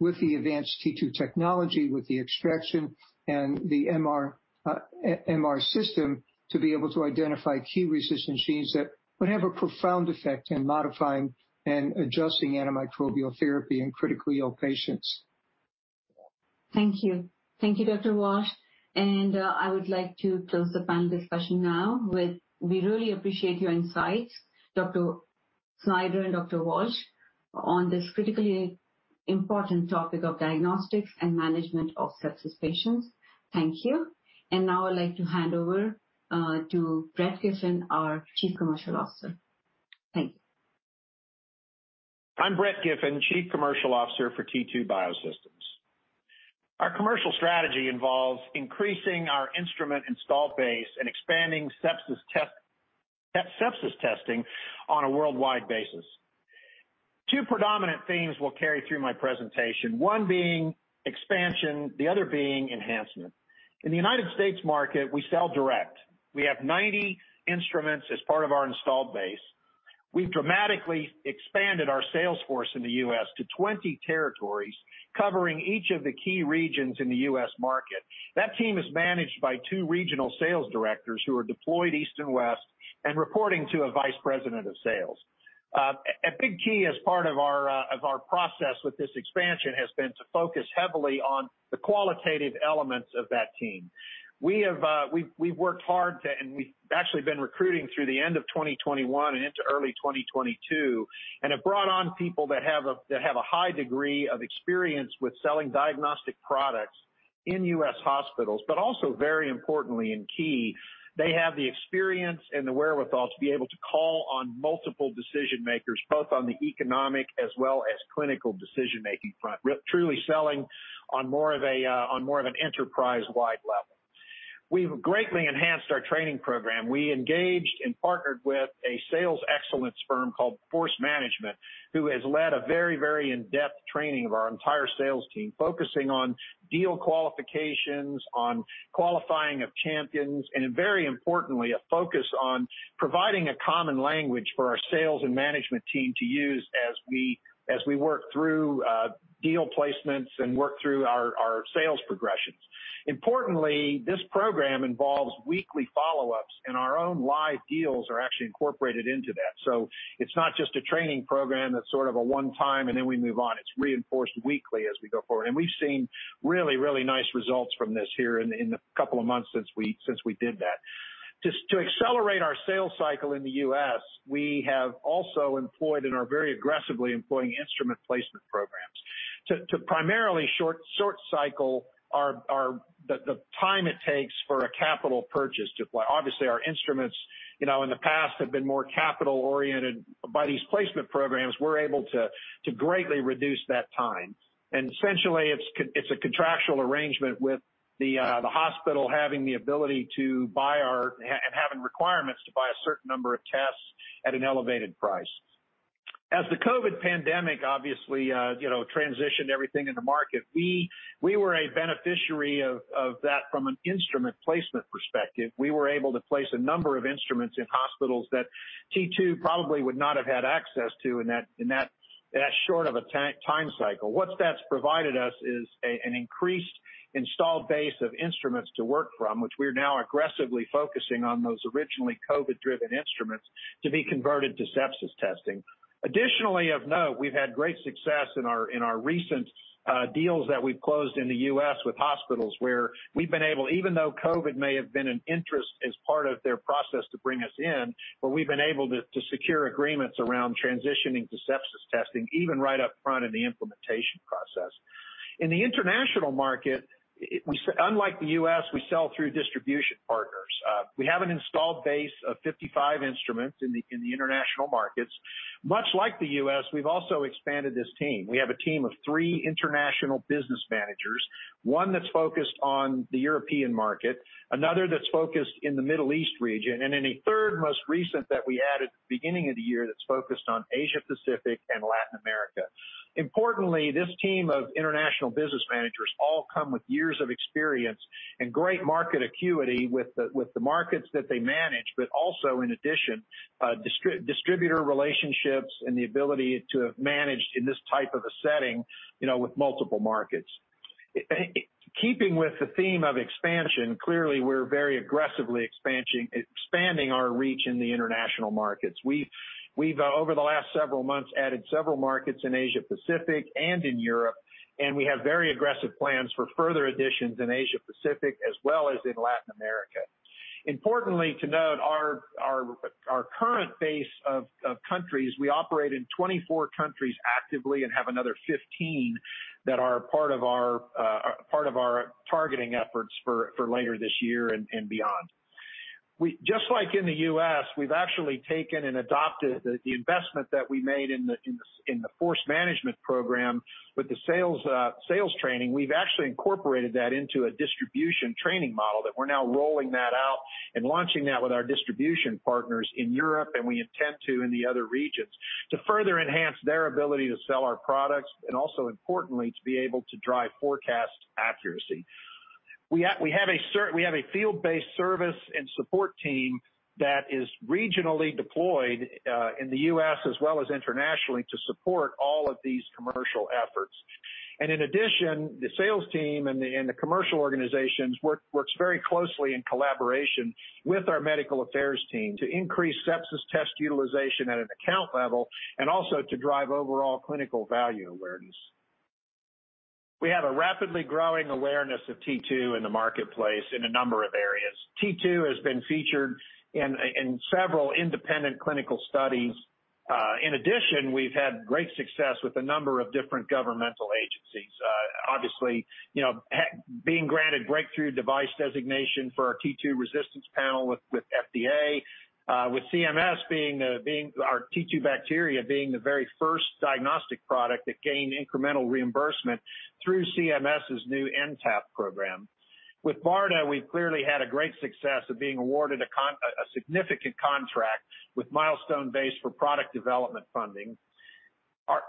with the advanced T2MR technology, with the extraction and the T2MR system to be able to identify key resistant genes that would have a profound effect in modifying and adjusting antimicrobial therapy in critically ill patients. Thank you. Thank you, Dr. Walsh. I would like to close the panel discussion now. We really appreciate your insights, Dr. Snyder and Dr. Walsh, on this critically important topic of diagnostics and management of sepsis patients. Thank you. Now I'd like to hand over to Brett Giffin, our Chief Commercial Officer. Thank you. I'm Brett Giffin, Chief Commercial Officer for T2 Biosystems. Our commercial strategy involves increasing our instrument installed base and expanding sepsis testing on a worldwide basis. Two predominant themes will carry through my presentation, one being expansion, the other being enhancement. In the United States market, we sell direct. We have 90 instruments as part of our installed base. We've dramatically expanded our sales force in the U.S. to 20 territories covering each of the key regions in the U.S. market. That team is managed by two regional sales directors who are deployed East and West and reporting to a vice president of sales. A big key as part of our process with this expansion has been to focus heavily on the qualitative elements of that team. We've worked hard to... We've actually been recruiting through the end of 2021 and into early 2022, and have brought on people that have a high degree of experience with selling diagnostic products in U.S. hospitals, but also very importantly and key, they have the experience and the wherewithal to be able to call on multiple decision makers, both on the economic as well as clinical decision-making front, truly selling on more of a, on more of an enterprise-wide level. We've greatly enhanced our training program. We engaged and partnered with a sales excellence firm called Force Management, who has led a very, very in-depth training of our entire sales team, focusing on deal qualifications, on qualifying of champions, and very importantly, a focus on providing a common language for our sales and management team to use as we work through deal placements and work through our sales progressions. Importantly, this program involves weekly follow-ups, and our own live deals are actually incorporated into that. It's not just a training program that's sort of a one time and then we move on. It's reinforced weekly as we go forward. We've seen really, really nice results from this here in the couple of months since we did that. To accelerate our sales cycle in the U.S., we have also employed and are very aggressively employing instrument placement programs to primarily short cycle the time it takes for a capital purchase deploy. Obviously, our instruments, you know, in the past have been more capital oriented. By these placement programs, we're able to greatly reduce that time. Essentially, it's a contractual arrangement with the hospital having the ability to buy our and having requirements to buy a certain number of tests at an elevated price. As the COVID-19 pandemic, obviously, transitioned everything in the market, we were a beneficiary of that from an instrument placement perspective. We were able to place a number of instruments in hospitals that T2 probably would not have had access to in that short time cycle. What that's provided us is an increased installed base of instruments to work from, which we're now aggressively focusing on those originally COVID-19 driven instruments to be converted to sepsis testing. Additionally of note, we've had great success in our recent deals that we've closed in the U.S. with hospitals where we've been able, even though COVID-19 may have been an interest as part of their process to bring us in, but we've been able to secure agreements around transitioning to sepsis testing even right up front in the implementation process. In the international market, unlike the U.S., we sell through distribution partners. We have an installed base of 55 instruments in the international markets. Much like the U.S., we've also expanded this team. We have a team of three international business managers, one that's focused on the European market, another that's focused in the Middle East region, and then a third most recent that we added beginning of the year that's focused on Asia-Pacific and Latin America. Importantly, this team of international business managers all come with years of experience and great market acuity with the markets that they manage, but also in addition, distributor relationships and the ability to have managed in this type of a setting, you know, with multiple markets. Keeping with the theme of expansion, clearly, we're very aggressively expanding our reach in the international markets. We've over the last several months added several markets in Asia-Pacific and in Europe, and we have very aggressive plans for further additions in Asia-Pacific as well as in Latin America. Importantly to note, our current base of countries, we operate in 24 countries actively and have another 15 that are part of our targeting efforts for later this year and beyond. Just like in the U.S., we've actually taken and adopted the investment that we made in the Force Management program with the sales training. We've actually incorporated that into a distribution training model that we're now rolling that out and launching that with our distribution partners in Europe, and we intend to in the other regions, to further enhance their ability to sell our products and also importantly, to be able to drive forecast accuracy. We have a field-based service and support team that is regionally deployed in the U.S. as well as internationally to support all of these commercial efforts. In addition, the sales team and the commercial organizations works very closely in collaboration with our medical affairs team to increase sepsis test utilization at an account level and also to drive overall clinical value awareness. We have a rapidly growing awareness of T2 in the marketplace in a number of areas. T2 has been featured in several independent clinical studies. In addition, we've had great success with a number of different governmental agencies. Obviously, you know, being granted breakthrough device designation for our T2Resistance Panel with FDA, with CMS, our T2Bacteria being the very first diagnostic product that gained incremental reimbursement through CMS's new NTAP program. With BARDA, we've clearly had a great success of being awarded a significant contract with milestone base for product development funding.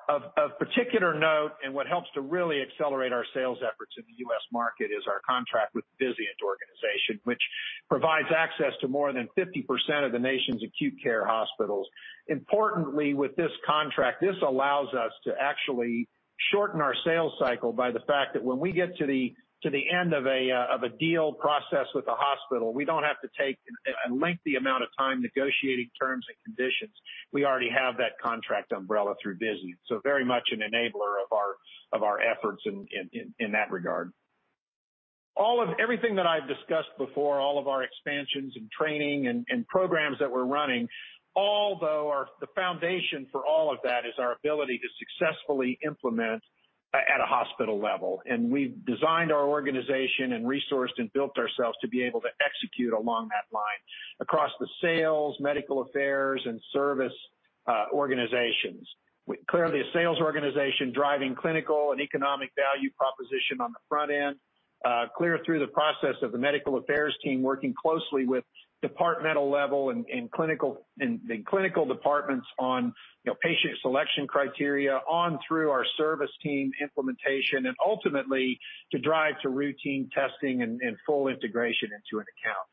Of particular note, and what helps to really accelerate our sales efforts in the U.S. market is our contract with the Vizient organization, which provides access to more than 50% of the nation's acute care hospitals. Importantly, with this contract, this allows us to actually shorten our sales cycle by the fact that when we get to the end of a deal process with a hospital, we don't have to take a lengthy amount of time negotiating terms and conditions. We already have that contract umbrella through Vizient. So very much an enabler of our efforts in that regard. All of everything that I've discussed before, all of our expansions and training and programs that we're running, although are the foundation for all of that is our ability to successfully implement at a hospital level. We've designed our organization and resourced and built ourselves to be able to execute along that line across the sales, medical affairs, and service organizations. Clearly, a sales organization driving clinical and economic value proposition on the front end, clear through the process of the medical affairs team working closely with departmental level and the clinical departments on, you know, patient selection criteria on through our service team implementation, and ultimately to drive to routine testing and full integration into an account.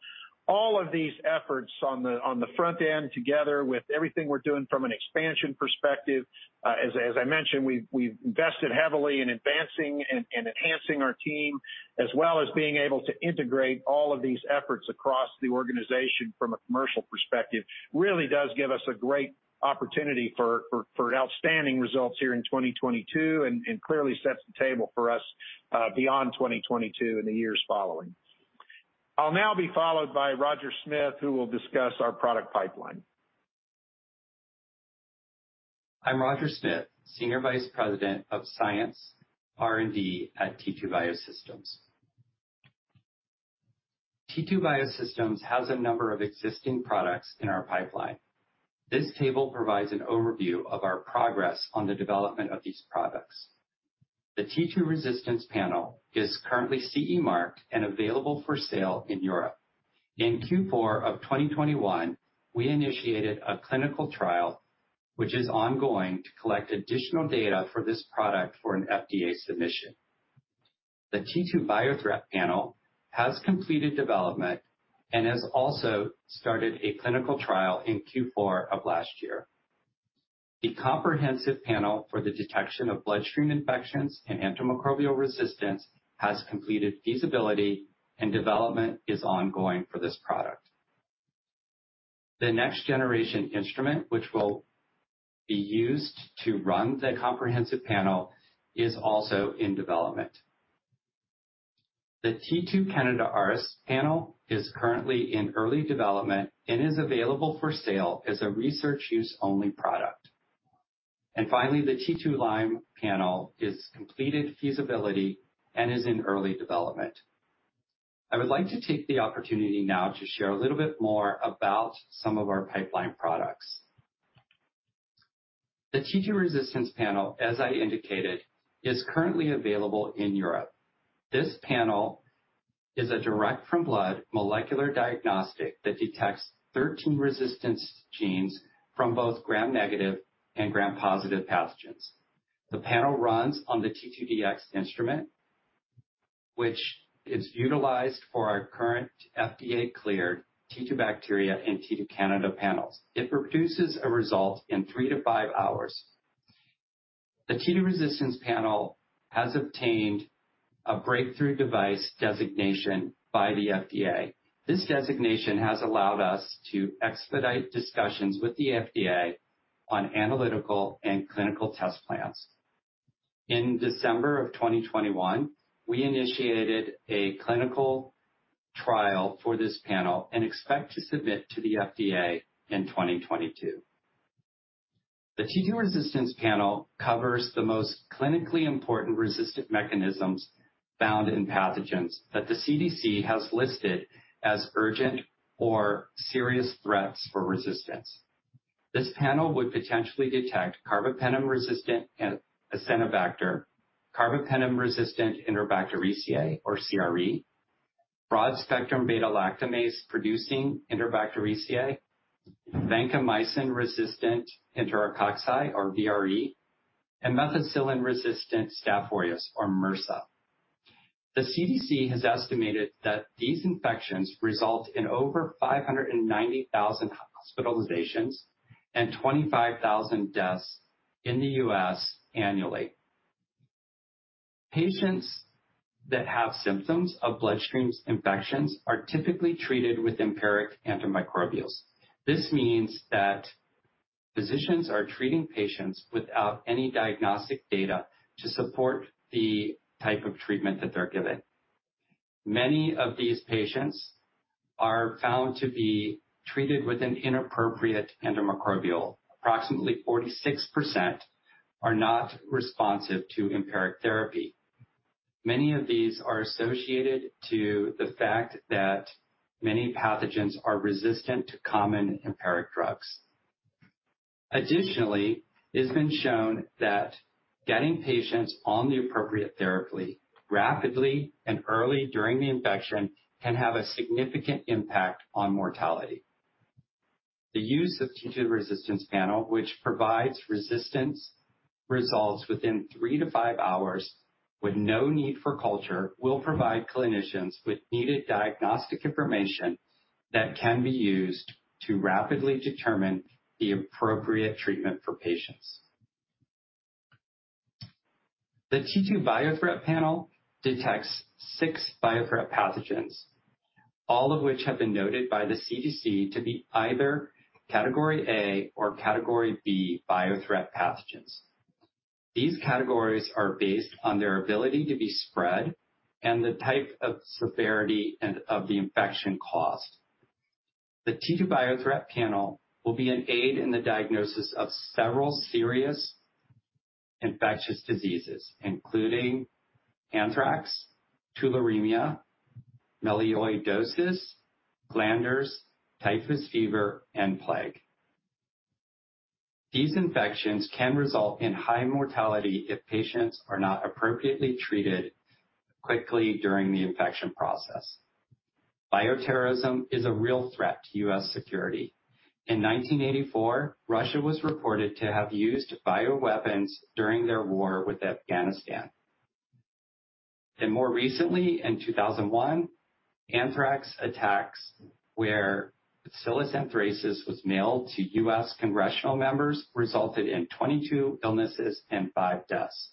All of these efforts on the front end, together with everything we're doing from an expansion perspective, as I mentioned, we've invested heavily in advancing and enhancing our team, as well as being able to integrate all of these efforts across the organization from a commercial perspective, really does give us a great opportunity for outstanding results here in 2022 and clearly sets the table for us, beyond 2022 in the years following. I'll now be followed by Roger Smith, who will discuss our product pipeline. I'm Roger Smith, Senior Vice President of Science Research and Development at T2 Biosystems. T2 Biosystems has a number of existing products in our pipeline. This table provides an overview of our progress on the development of these products. The T2Resistance Panel is currently CE marked and available for sale in Europe. In Q4 of 2021, we initiated a clinical trial, which is ongoing to collect additional data for this product for an FDA submission. The T2Biothreat Panel has completed development and has also started a clinical trial in Q4 of last year. The comprehensive panel for the detection of bloodstream infections and antimicrobial resistance has completed feasibility, and development is ongoing for this product. The next generation instrument, which will be used to run the comprehensive panel, is also in development. The T2Candida Panel is currently in early development and is available for sale as a research use only product. Finally, the T2Lyme Panel has completed feasibility and is in early development. I would like to take the opportunity now to share a little bit more about some of our pipeline products. The T2Resistance Panel, as I indicated, is currently available in Europe. This panel is a direct from blood molecular diagnostic that detects 13 resistance genes from both gram-negative and gram-positive pathogens. The panel runs on the T2Dx Instrument, which is utilized for our current FDA-cleared T2Bacteria Panel and T2Candida Panel. It produces a result in three to five hours. The T2Resistance Panel has obtained a breakthrough device designation by the FDA. This designation has allowed us to expedite discussions with the FDA on analytical and clinical test plans. In December of 2021, we initiated a clinical trial for this panel and expect to submit to the FDA in 2022. The T2Resistance Panel covers the most clinically important resistant mechanisms found in pathogens that the CDC has listed as urgent or serious threats for resistance. This panel would potentially detect carbapenem-resistant Acinetobacter, carbapenem-resistant Enterobacteriaceae, or CRE, broad-spectrum beta-lactamase-producing Enterobacteriaceae, vancomycin-resistant Enterococci, or VRE, and methicillin-resistant Staph aureus, or MRSA. The CDC has estimated that these infections result in over 590,000 hospitalizations and 25,000 deaths in the U.S. annually. Patients that have symptoms of bloodstream infections are typically treated with empiric antimicrobials. This means that physicians are treating patients without any diagnostic data to support the type of treatment that they're giving. Many of these patients are found to be treated with an inappropriate antimicrobial. Approximately 46% are not responsive to empiric therapy. Many of these are associated to the fact that many pathogens are resistant to common empiric drugs. Additionally, it's been shown that getting patients on the appropriate therapy rapidly and early during the infection can have a significant impact on mortality. The use of T2Resistance Panel, which provides resistance results within three to five hours with no need for culture, will provide clinicians with needed diagnostic information that can be used to rapidly determine the appropriate treatment for patients. The T2Biothreat Panel detects six biothreat pathogens, all of which have been noted by the CDC to be either Category A or Category B biothreat pathogens. These categories are based on their ability to be spread and the type of severity and of the infection cost. The T2Biothreat Panel will be an aid in the diagnosis of several serious infectious diseases, including anthrax, tularemia, melioidosis, glanders, typhus fever, and plague. These infections can result in high mortality if patients are not appropriately treated quickly during the infection process. Bioterrorism is a real threat to U.S. security. In 1984, Russia was reported to have used bioweapons during their war with Afghanistan. More recently, in 2001, anthrax attacks where Bacillus anthracis was mailed to U.S. congressional members resulted in 22 illnesses and five deaths.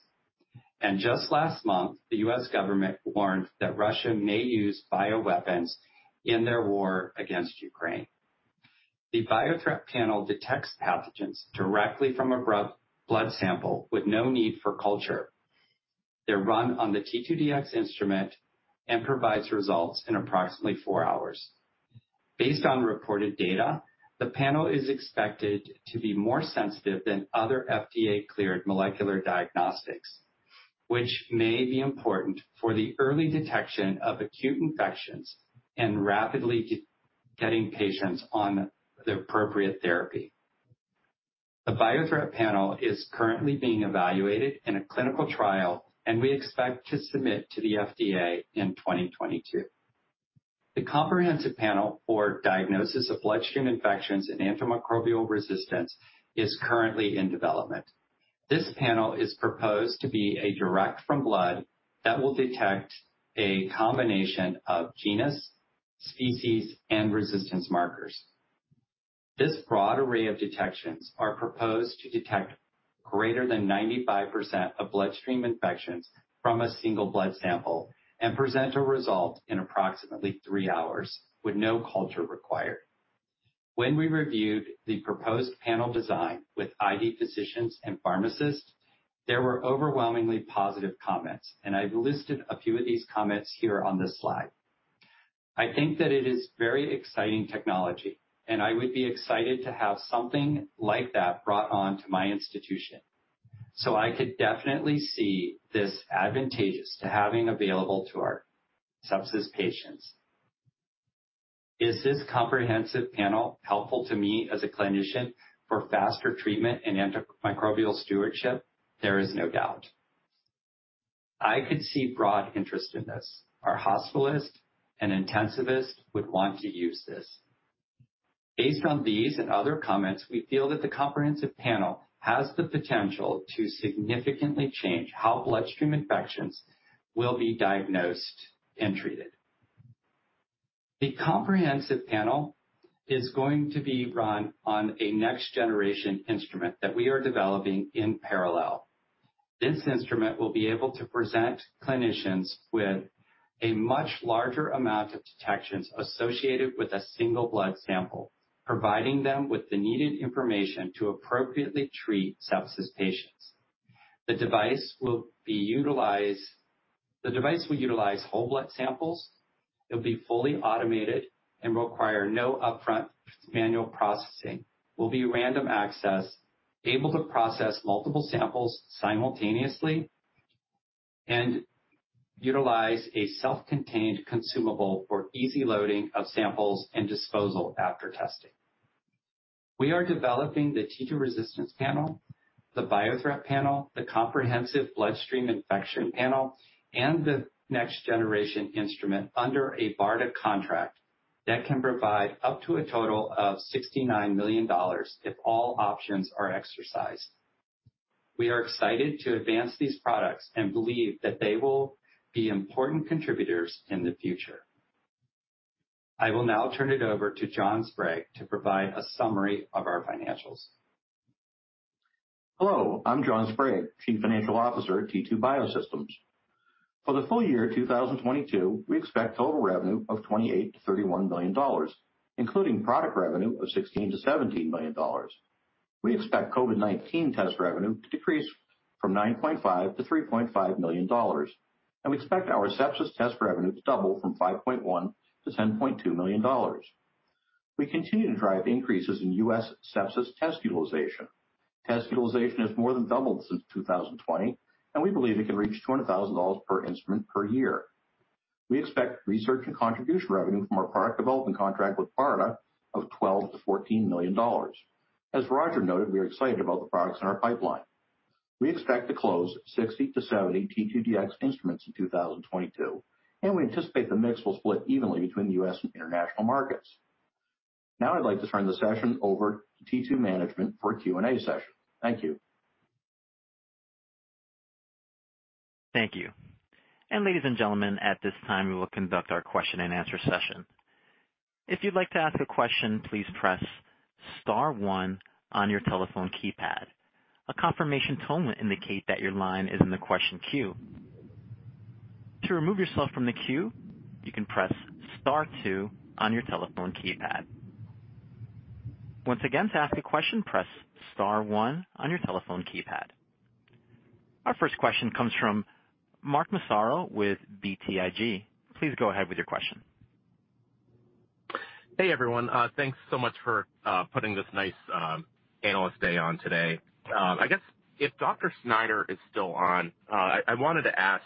Just last month, the U.S. government warned that Russia may use bioweapons in their war against Ukraine. The T2Biothreat Panel detects pathogens directly from a blood sample with no need for culture. They're run on the T2Dx Instrument and provides results in approximately four hours. Based on reported data, the panel is expected to be more sensitive than other FDA-cleared molecular diagnostics, which may be important for the early detection of acute infections and rapidly getting patients on the appropriate therapy. The T2Biothreat Panel is currently being evaluated in a clinical trial, and we expect to submit to the FDA in 2022. The comprehensive panel for diagnosis of bloodstream infections and antimicrobial resistance is currently in development. This panel is proposed to be a direct from blood that will detect a combination of genus, species, and resistance markers. This broad array of detections are proposed to detect greater than 95% of bloodstream infections from a single blood sample and present a result in approximately three hours with no culture required. When we reviewed the proposed panel design with ID physicians and pharmacists, there were overwhelmingly positive comments, and I've listed a few of these comments here on this slide. "I think that it is very exciting technology, and I would be excited to have something like that brought on to my institution, so I could definitely see this advantageous to having available to our sepsis patients." "Is this comprehensive panel helpful to me as a clinician for faster treatment and antimicrobial stewardship? There is no doubt." "I could see broad interest in this. Our hospitalists and intensivists would want to use this." Based on these and other comments, we feel that the comprehensive panel has the potential to significantly change how bloodstream infections will be diagnosed and treated. The comprehensive panel is going to be run on a next-generation instrument that we are developing in parallel. This instrument will be able to present clinicians with a much larger amount of detections associated with a single blood sample, providing them with the needed information to appropriately treat sepsis patients. The device will utilize whole blood samples. It'll be fully automated and require no upfront manual processing, will be random access, able to process multiple samples simultaneously, and utilize a self-contained consumable for easy loading of samples and disposal after testing. We are developing the T2Resistance Panel, the T2Biothreat Panel, the Comprehensive Bloodstream Infection Panel, and the next generation instrument under a BARDA contract that can provide up to a total of $69 million if all options are exercised. We are excited to advance these products and believe that they will be important contributors in the future. I will now turn it over to John Sprague to provide a summary of our financials. Hello, I'm John Sprague, Chief Financial Officer at T2 Biosystems. For the full year 2022, we expect total revenue of $28 million-$31 million, including product revenue of $16 million-$17 million. We expect COVID-19 test revenue to decrease from $9.5 million-$3.5 million, and we expect our sepsis test revenue to double from $5.1 million-$10.2 million. We continue to drive increases in U.S. sepsis test utilization. Test utilization has more than doubled since 2020, and we believe it can reach $20,000 per instrument per year. We expect research and contribution revenue from our product development contract with BARDA of $12 million-$14 million. As Roger noted, we are excited about the products in our pipeline. We expect to close 60-70 T2Dx Instruments in 2022, and we anticipate the mix will split evenly between the U.S. and international markets. Now, I'd like to turn the session over to T2 management for a Q&A session. Thank you. Thank you. Ladies and gentlemen, at this time, we will conduct our question-and-answer session. If you'd like to ask a question, please press star one on your telephone keypad. A confirmation tone will indicate that your line is in the question queue. To remove yourself from the queue, you can press star two on your telephone keypad. Once again, to ask a question, press star one on your telephone keypad. Our first question comes from Mark Massaro with BTIG. Please go ahead with your question. Hey, everyone. Thanks so much for putting this nice Analyst Day on today. I guess if Dr. Snyder is still on, I wanted to ask,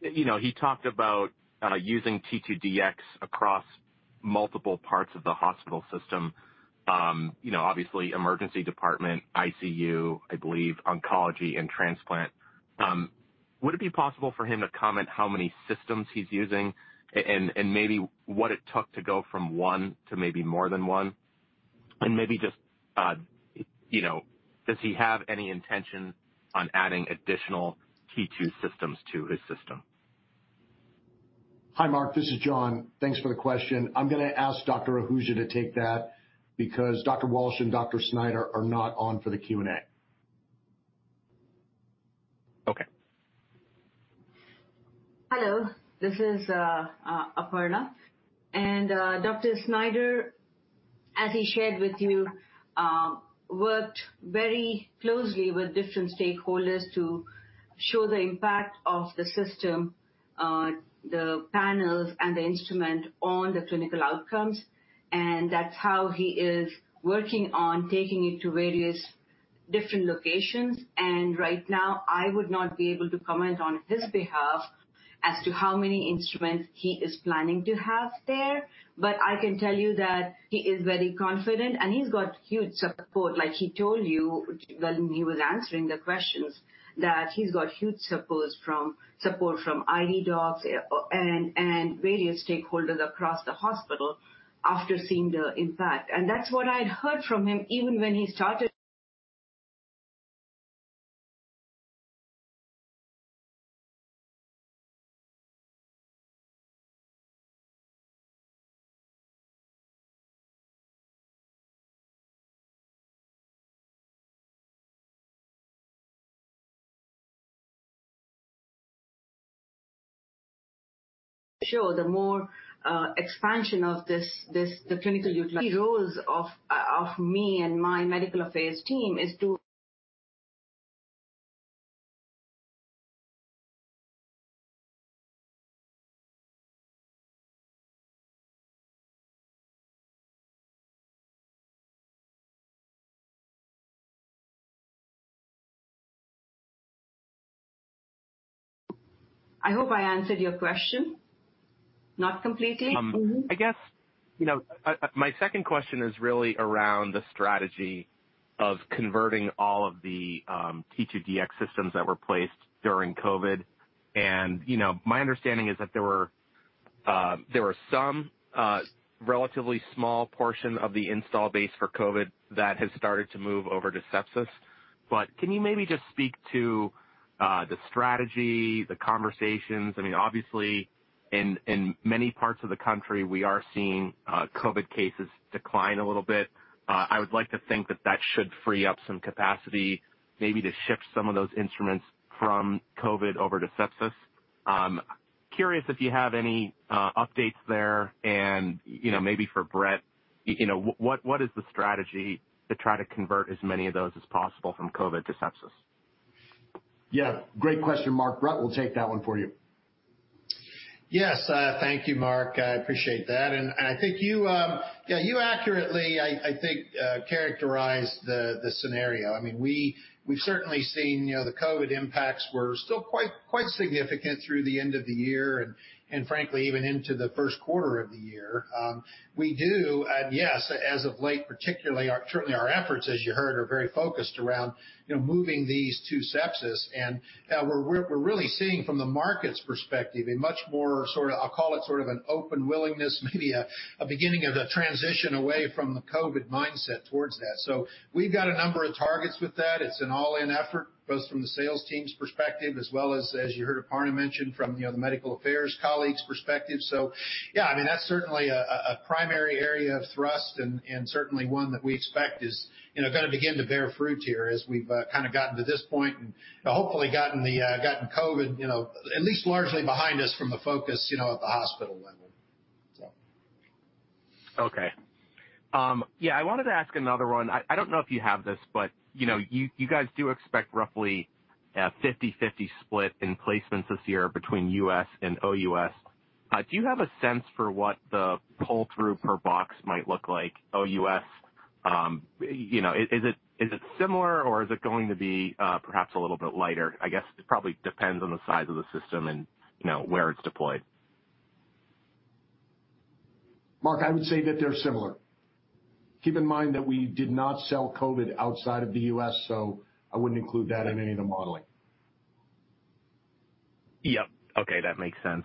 you know, he talked about using T2Dx across multiple parts of the hospital system, you know, obviously emergency department, ICU, I believe oncology and transplant. Would it be possible for him to comment how many systems he's using and maybe what it took to go from one to maybe more than one? Maybe just, you know, does he have any intention on adding additional T2Dx systems to his system? Hi, Mark. This is John. Thanks for the question. I'm gonna ask Dr. Ahuja to take that because Dr. Walsh and Dr. Snyder are not on for the Q&A. Okay. Hello. This is Aparna. Dr. Snyder, as he shared with you, worked very closely with different stakeholders to show the impact of the system, the panels and the instrument on the clinical outcomes, and that's how he is working on taking it to various different locations. Right now, I would not be able to comment on his behalf as to how many instruments he is planning to have there, but I can tell you that he is very confident, and he's got huge support, like he told you when he was answering the questions, that he's got huge support from ID docs and various stakeholders across the hospital after seeing the impact. That's what I'd heard from him even when he started. The more expansion of this, the clinical utility roles of me and my medical affairs team is to. I hope I answered your question. Not completely? I guess, you know, my second question is really around the strategy of converting all of the T2Dx systems that were placed during COVID-19. You know, my understanding is that there were some relatively small portion of the installed base for COVID-19 that has started to move over to sepsis. But can you maybe just speak to the strategy, the conversations? I mean, obviously in many parts of the country, we are seeing COVID-19 cases decline a little bit. I would like to think that that should free up some capacity maybe to shift some of those instruments from COVID-19 over to sepsis. I'm curious if you have any updates there. You know, maybe for Brett, you know, what is the strategy to try to convert as many of those as possible from COVID-19 to sepsis? Yeah, great question, Mark. Brett will take that one for you. Yes. Thank you, Mark. I appreciate that. I think you accurately characterized the scenario. I mean, we've certainly seen, you know, the COVID-19 impacts were still quite significant through the end of the year and frankly, even into the first quarter of the year. We do, yes, as of late, particularly, certainly our efforts, as you heard, are very focused around, you know, moving these to sepsis. We're really seeing from the market's perspective a much more sort of I'll call it an open willingness, maybe a beginning of the transition away from the COVID-19 mindset towards that. We've got a number of targets with that. It's an all-in effort, both from the sales team's perspective as well as you heard Aparna mention from, you know, the medical affairs colleagues perspective. So, yeah, I mean, that's certainly a primary area of thrust and certainly one that we expect is, you know, gonna begin to bear fruit here as we've kind of gotten to this point and hopefully gotten COVID-19, you know, at least largely behind us from the focus, you know, at the hospital level. Okay. I wanted to ask another one. I don't know if you have this, but you know, you guys do expect roughly a 50/50 split in placements this year between U.S. and O.U.S. Do you have a sense for what the pull through per box might look like O.U.S.? You know, is it similar or is it going to be perhaps a little bit lighter? I guess it probably depends on the size of the system and you know, where it's deployed. Mark, I would say that they're similar. Keep in mind that we did not sell COVID-19 outside of the U.S., so I wouldn't include that in any of the modeling. Yeah. Okay, that makes sense.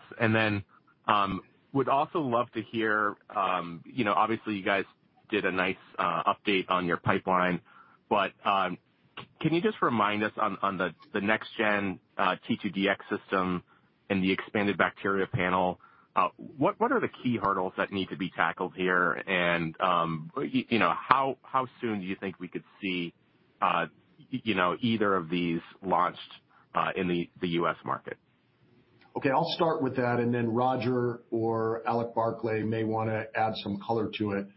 Would also love to hear, you know, obviously you guys did a nice update on your pipeline, but, can you just remind us on the next-gen T2Dx system and the expanded bacteria panel, what are the key hurdles that need to be tackled here? You know, how soon do you think we could see, you know, either of these launched in the U.S. market? Okay, I'll start with that. Then Roger or Alec Barclay may wanna add some color to it.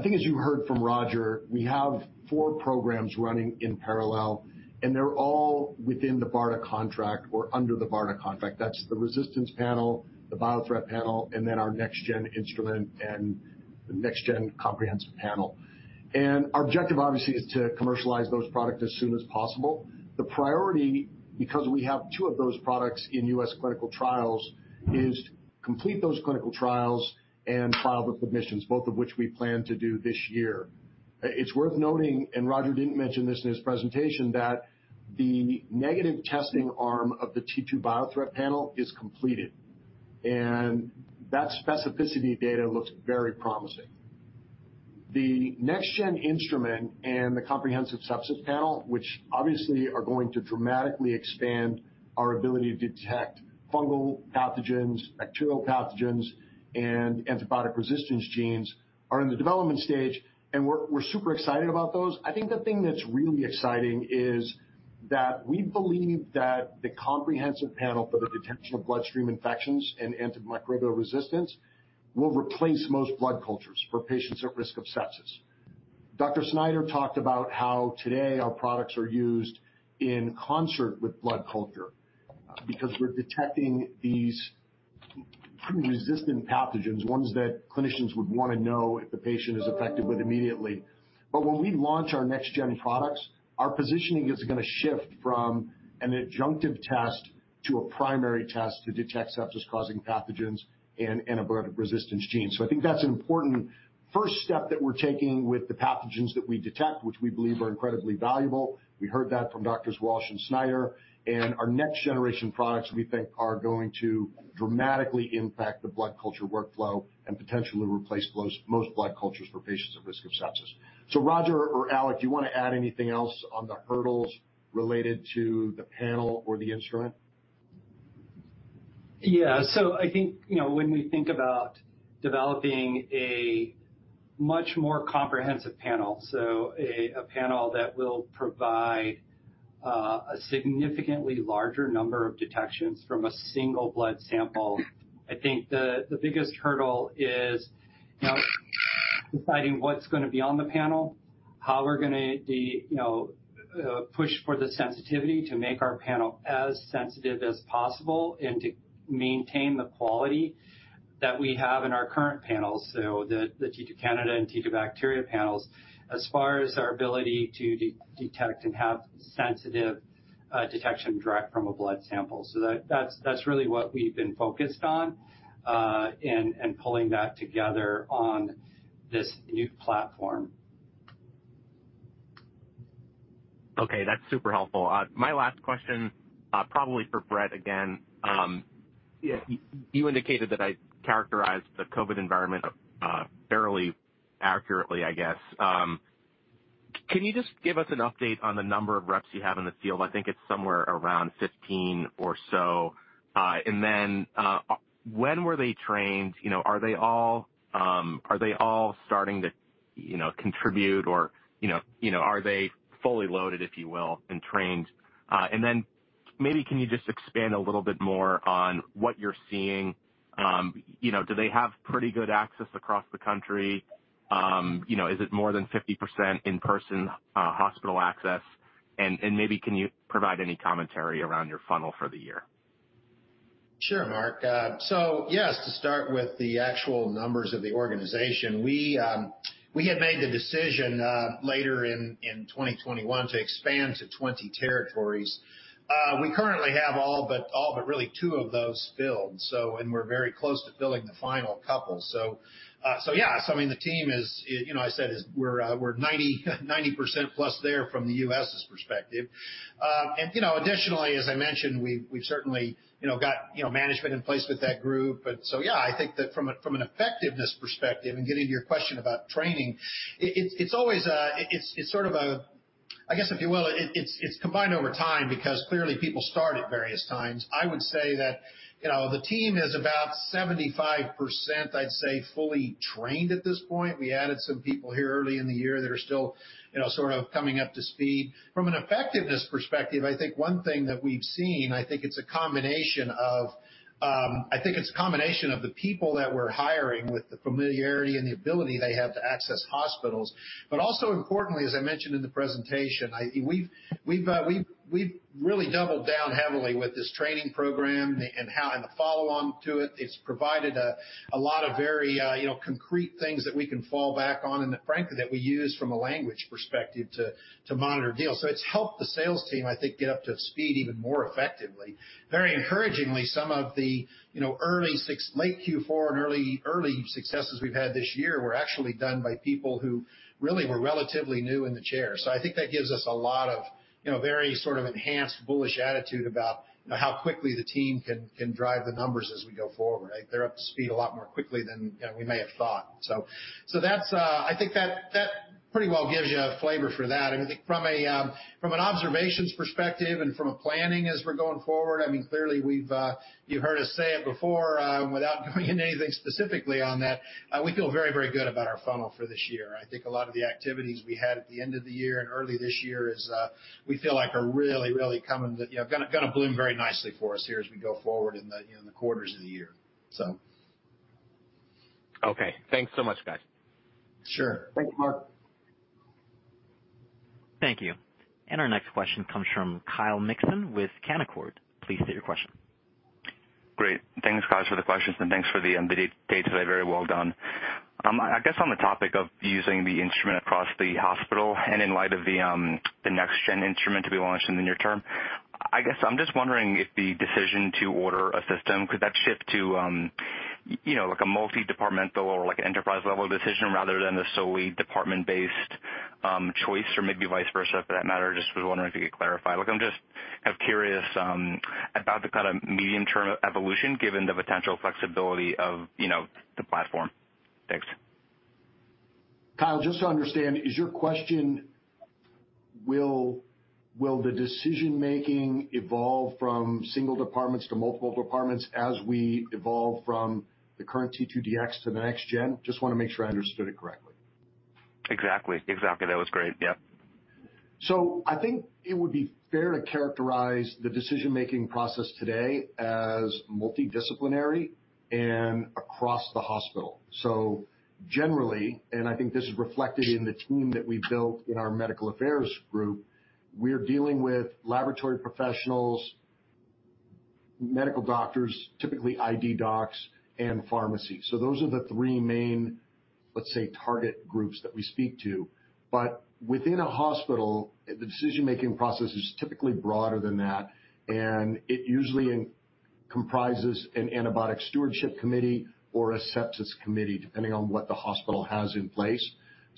I think as you heard from Roger, we have four programs running in parallel, and they're all within the BARDA contract or under the BARDA contract. That's the T2Resistance Panel, the T2Biothreat Panel, and then our next gen instrument and next gen comprehensive panel. Our objective, obviously, is to commercialize those products as soon as possible. The priority, because we have two of those products in U.S. clinical trials, is to complete those clinical trials and file the submissions, both of which we plan to do this year. It's worth noting, and Roger didn't mention this in his presentation, that the negative testing arm of the T2Biothreat Panel is completed, and that specificity data looks very promising. The next gen instrument and the comprehensive sepsis panel, which obviously are going to dramatically expand our ability to detect fungal pathogens, bacterial pathogens, and antibiotic resistance genes, are in the development stage, and we're super excited about those. I think the thing that's really exciting is that we believe that the comprehensive panel for the detection of bloodstream infections and antimicrobial resistance will replace most blood cultures for patients at risk of sepsis. Dr. Snyder talked about how today our products are used in concert with blood culture because we're detecting these resistant pathogens, ones that clinicians would want to know if the patient is affected with immediately. When we launch our next gen products, our positioning is gonna shift from an adjunctive test to a primary test to detect sepsis-causing pathogens and antibiotic resistance genes. I think that's an important first step that we're taking with the pathogens that we detect, which we believe are incredibly valuable. We heard that from Dr. Walsh and Dr. Snyder. Our next generation products, we think, are going to dramatically impact the blood culture workflow and potentially replace most blood cultures for patients at risk of sepsis. Roger or Alec, do you want to add anything else on the hurdles related to the panel or the instrument? Yeah. I think, you know, when we think about developing a much more comprehensive panel, a panel that will provide a significantly larger number of detections from a single blood sample, I think the biggest hurdle is, you know, deciding what's gonna be on the panel, how we're gonna push for the sensitivity to make our panel as sensitive as possible and to maintain the quality that we have in our current panels, so the T2Candida and T2Bacteria Panels, as far as our ability to detect and have sensitive detection direct from a blood sample. That's really what we've been focused on and pulling that together on this new platform. Okay, that's super helpful. My last question, probably for Brett again. You indicated that I characterized the COVID-19 environment fairly accurately, I guess. Can you just give us an update on the number of reps you have in the field? I think it's somewhere around 15 or so. And then, when were they trained? You know, are they all starting to contribute or, you know, are they fully loaded, if you will, and trained? And then maybe can you just expand a little bit more on what you're seeing? You know, do they have pretty good access across the country? You know, is it more than 50% in-person hospital access? And maybe can you provide any commentary around your funnel for the year? Sure, Mark. Yes, to start with the actual numbers of the organization, we had made the decision later in 2021 to expand to 20 territories. We currently have all but really two of those filled, and we're very close to filling the final couple. Yeah, I mean, the team is, you know, as I said, we're 90% plus there from the U.S.'s perspective. Additionally, as I mentioned, we've certainly got management in place with that group. Yeah, I think that from an effectiveness perspective and getting to your question about training, it's always a sort of a, I guess, if you will, combined over time because clearly people start at various times. I would say that, you know, the team is about 75%, I'd say, fully trained at this point. We added some people here early in the year that are still, you know, sort of coming up to speed. From an effectiveness perspective, I think one thing that we've seen. I think it's a combination of the people that we're hiring with the familiarity and the ability they have to access hospitals. But also importantly, as I mentioned in the presentation, I think we've really doubled down heavily with this training program and the follow-on to it. It's provided a lot of very, you know, concrete things that we can fall back on and that frankly, that we use from a language perspective to monitor deals. It's helped the sales team, I think, get up to speed even more effectively. Very encouragingly, some of the, you know, late Q4 and early successes we've had this year were actually done by people who really were relatively new in the chair. I think that gives us a lot of, you know, very sort of enhanced bullish attitude about how quickly the team can drive the numbers as we go forward. They're up to speed a lot more quickly than we may have thought. That's, I think, pretty well gives you a flavor for that. I think from an observations perspective and from a planning as we're going forward, I mean, clearly, we've you heard us say it before, without going into anything specifically on that, we feel very, very good about our funnel for this year. I think a lot of the activities we had at the end of the year and early this year is we feel like are really, really coming, you know, gonna bloom very nicely for us here as we go forward in the quarters of the year, so. Okay. Thanks so much, guys. Sure. Thanks, Mark. Thank you. Our next question comes from Kyle Mikson with Canaccord. Please state your question. Great. Thanks, guys, for the questions, and thanks for the data today. Very well done. I guess on the topic of using the instrument across the hospital and in light of the next gen instrument to be launched in the near term, I guess I'm just wondering if the decision to order a system could that shift to you know like a multi-departmental or like enterprise-level decision rather than a solely department-based choice? Or maybe vice versa for that matter. Just was wondering if you could clarify. Look, I'm just curious about the kinda medium-term evolution given the potential flexibility of you know the platform. Thanks. Kyle, just to understand, is your question will the decision-making evolve from single departments to multiple departments as we evolve from the current T2Dx to the next gen? Just wanna make sure I understood it correctly. Exactly. That was great. Yep. I think it would be fair to characterize the decision-making process today as multidisciplinary and across the hospital. Generally, and I think this is reflected in the team that we built in our medical affairs group, we're dealing with laboratory professionals, medical doctors, typically ID docs, and pharmacy. Those are the three main, let's say, target groups that we speak to. Within a hospital, the decision-making process is typically broader than that, and it usually comprises an antibiotic stewardship committee or a sepsis committee, depending on what the hospital has in place.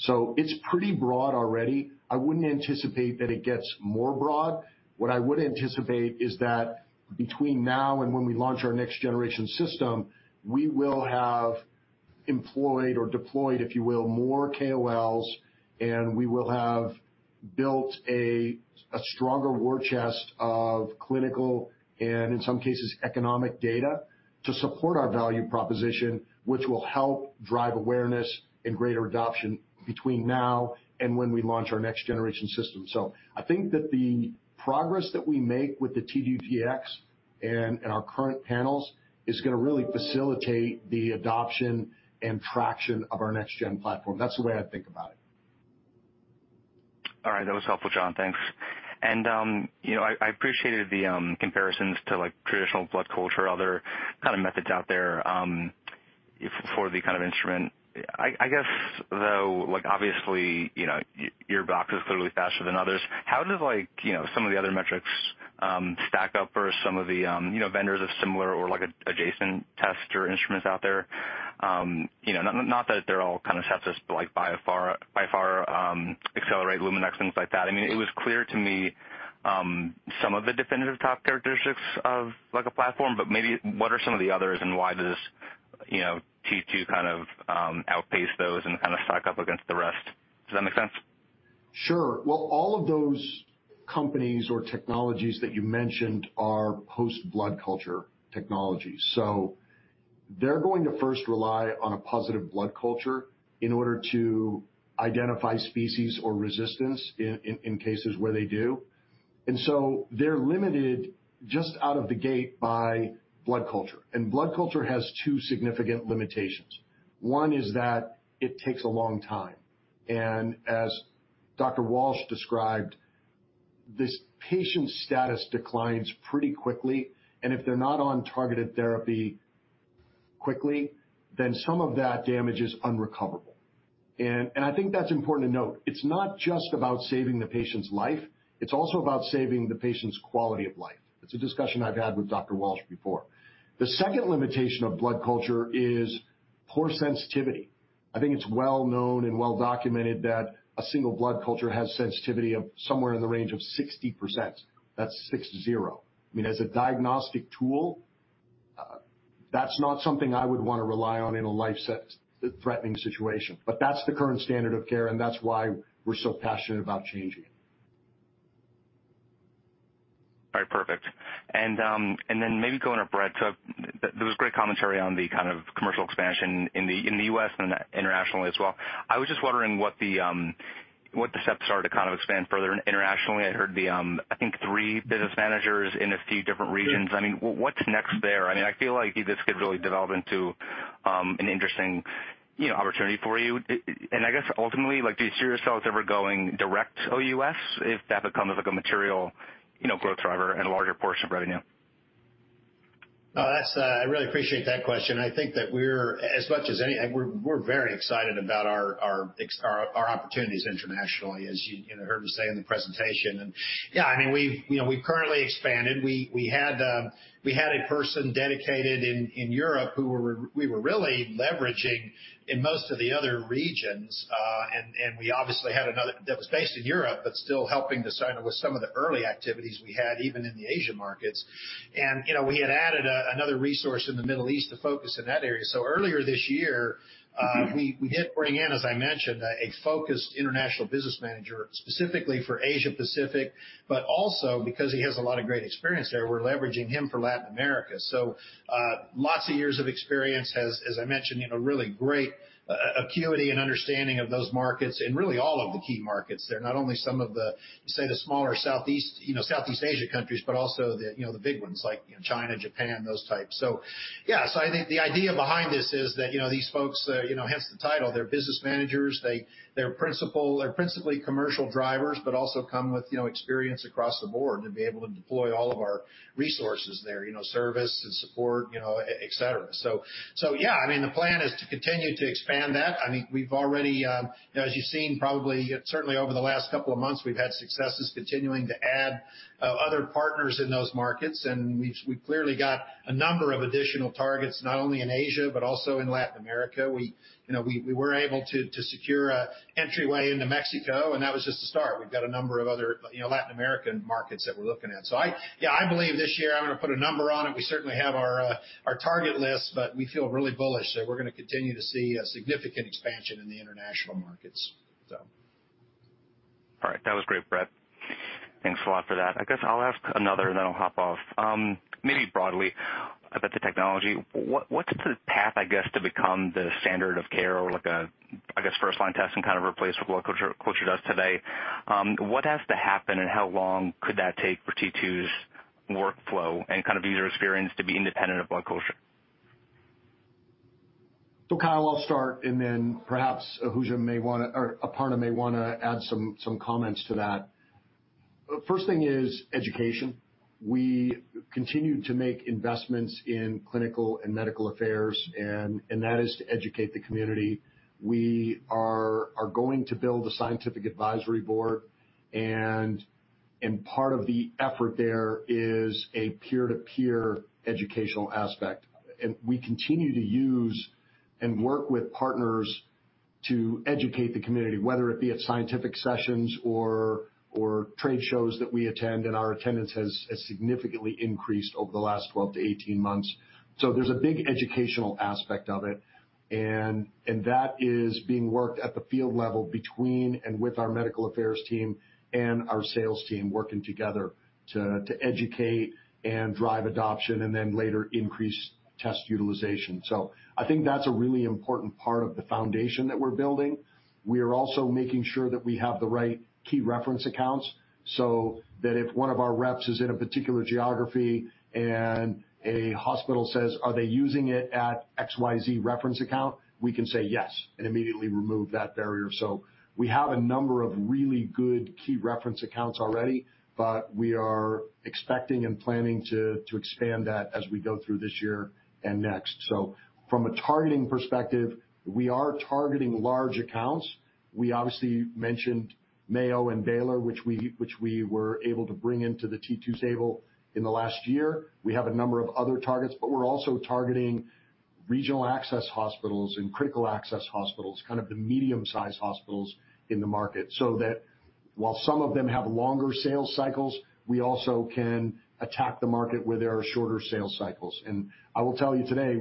It's pretty broad already. I wouldn't anticipate that it gets more broad. What I would anticipate is that between now and when we launch our next generation system, we will have employed or deployed, if you will, more KOLs, and we will have built a stronger war chest of clinical and in some cases, economic data to support our value proposition, which will help drive awareness and greater adoption between now and when we launch our next generation system. I think that the progress that we make with the T2Dx and our current panels is gonna really facilitate the adoption and traction of our next gen platform. That's the way I think about it. All right. That was helpful, John. Thanks. You know, I appreciated the comparisons to, like, traditional blood culture, other kind of methods out there, for the kind of instrument. I guess, though, like, obviously, you know, your box is clearly faster than others. How does, like, you know, some of the other metrics stack up for some of the, you know, vendors of similar or like adjacent tests or instruments out there? You know, not that they're all kind of sepsis, but like BioFire, Accelerate, Luminex, things like that. I mean, it was clear to me, some of the definitive top characteristics of like a platform, but maybe what are some of the others and why does, you know, T2 kind of outpace those and kind of stack up against the rest? Does that make sense? Sure. Well, all of those companies or technologies that you mentioned are post blood culture technologies. They're going to first rely on a positive blood culture in order to identify species or resistance in cases where they do. They're limited just out of the gate by blood culture. Blood culture has two significant limitations. One is that it takes a long time, and as Dr. Walsh described, this patient's status declines pretty quickly, and if they're not on targeted therapy quickly, then some of that damage is unrecoverable. I think that's important to note. It's not just about saving the patient's life, it's also about saving the patient's quality of life. It's a discussion I've had with Dr. Walsh before. The second limitation of blood culture is poor sensitivity. I think it's well known and well documented that a single blood culture has sensitivity of somewhere in the range of 60%. That's 60. I mean, as a diagnostic tool, that's not something I would wanna rely on in a life-threatening situation. That's the current standard of care, and that's why we're so passionate about changing it. All right, perfect. Maybe going to Brett. There was great commentary on the kind of commercial expansion in the U.S. and internationally as well. I was just wondering what the steps are to kind of expand further internationally. I heard the, I think three business managers in a few different regions. I mean, what's next there? I mean, I feel like this could really develop into an interesting, you know, opportunity for you. I guess ultimately, like, do you see yourself ever going direct O.U.S. if that becomes like a material, you know, growth driver and a larger portion of revenue? No, that's, I really appreciate that question. I think that we're very excited about our opportunities internationally, as you know heard me say in the presentation. Yeah, I mean, you know, we've currently expanded. We had a person dedicated in Europe who we were really leveraging in most of the other regions, and we obviously had another that was based in Europe, but still helping to sign up with some of the early activities we had even in the Asia markets. You know, we had added another resource in the Middle East to focus in that area. Earlier this year, we did bring in, as I mentioned, a focused international business manager specifically for Asia-Pacific, but also because he has a lot of great experience there, we're leveraging him for Latin America. Lots of years of experience. Has, as I mentioned, you know, really great acuity and understanding of those markets and really all of the key markets. They're not only some of the, say, the smaller Southeast Asia countries, but also the big ones like China, Japan, those types. Yeah. I think the idea behind this is that, you know, these folks, you know, hence the title, they're business managers, they're principal... They're principally commercial drivers, but also come with, you know, experience across the board to be able to deploy all of our resources there, you know, service and support, you know, etcetera. So yeah, I mean, the plan is to continue to expand that. I mean, we've already, as you've seen, probably certainly over the last couple of months, we've had successes continuing to add other partners in those markets. And we've clearly got a number of additional targets, not only in Asia but also in Latin America. We were able to secure a entryway into Mexico, and that was just the start. We've got a number of other, you know, Latin American markets that we're looking at. So yeah, I believe this year I'm gonna put a number on it. We certainly have our target list, but we feel really bullish that we're gonna continue to see a significant expansion in the international markets, so. All right. That was great, Brett. Thanks a lot for that. I guess I'll ask another, and then I'll hop off. Maybe broadly about the technology. What's the path, I guess, to become the standard of care or like a, I guess, first line test and kind of replace what blood culture does today? What has to happen and how long could that take for T2's workflow and kind of user experience to be independent of blood culture? Kyle, I'll start and then perhaps Ahuja may wanna or Aparna may wanna add some comments to that. First thing is education. We continue to make investments in clinical and medical affairs and that is to educate the community. We are going to build a scientific advisory board and part of the effort there is a peer-to-peer educational aspect. We continue to use and work with partners to educate the community, whether it be at scientific sessions or trade shows that we attend, and our attendance has significantly increased over the last 12-18 months. There's a big educational aspect of it and that is being worked at the field level between and with our medical affairs team and our sales team working together to educate and drive adoption and then later increase test utilization. I think that's a really important part of the foundation that we're building. We are also making sure that we have the right key reference accounts, so that if one of our reps is in a particular geography and a hospital says, "Are they using it at XYZ reference account?" We can say yes and immediately remove that barrier. We have a number of really good key reference accounts already, but we are expecting and planning to expand that as we go through this year and next. From a targeting perspective, we are targeting large accounts. We obviously mentioned Mayo and Baylor, which we were able to bring into the T2 table in the last year. We have a number of other targets, but we're also targeting regional access hospitals and critical access hospitals, kind of the medium-sized hospitals in the market, so that while some of them have longer sales cycles, we also can attack the market where there are shorter sales cycles. I will tell you today,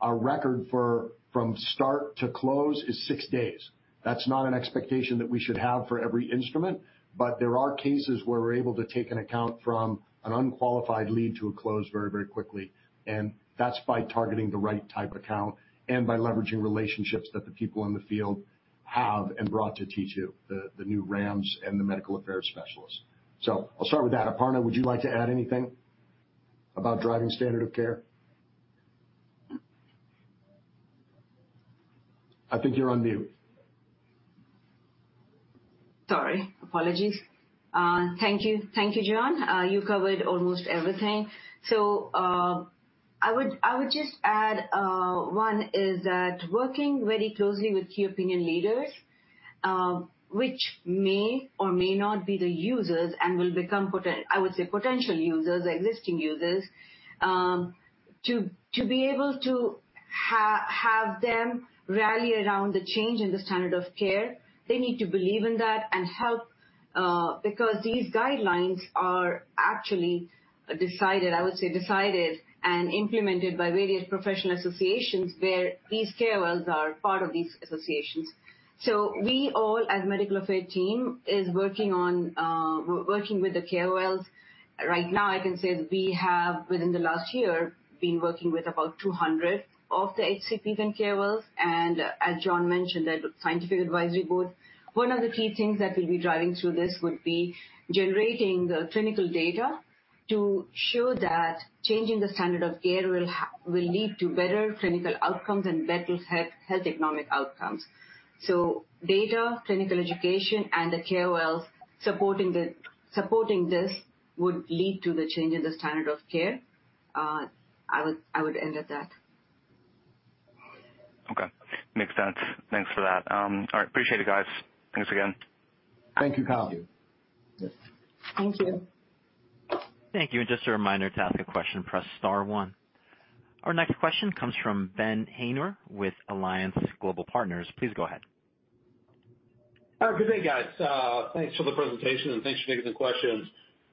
our record from start to close is six days. That's not an expectation that we should have for every instrument, but there are cases where we're able to take an account from an unqualified lead to a close very, very quickly, and that's by targeting the right type account and by leveraging relationships that the people in the field have and brought to T2, the new RAMs and the medical affairs specialists. I'll start with that. Aparna, would you like to add anything about driving standard of care? I think you're on mute. Sorry. Apologies. Thank you. Thank you, John. You covered almost everything. I would just add one is that working very closely with key opinion leaders, which may or may not be the users and will become I would say potential users, existing users, to be able to have them rally around the change in the standard of care. They need to believe in that and help because these guidelines are actually decided and implemented by various professional associations where these KOLs are part of these associations. We all as medical affairs team is working on working with the KOLs. Right now, I can say that we have, within the last year, been working with about 200 of the HCP and KOLs, and as John mentioned, the scientific advisory board. One of the key things that we'll be driving through this would be generating the clinical data to show that changing the standard of care will lead to better clinical outcomes and better health economic outcomes. Data, clinical education and the KOLs supporting this would lead to the change in the standard of care. I would end at that. Okay. Makes sense. Thanks for that. All right, I appreciate it, guys. Thanks again. Thank you, Kyle. Thank you. Yes. Thank you. Thank you. Just a reminder to ask a question, press star one. Our next question comes from Ben Haynor with Alliance Global Partners. Please go ahead. Good day, guys. Thanks for the presentation and thanks for taking the questions.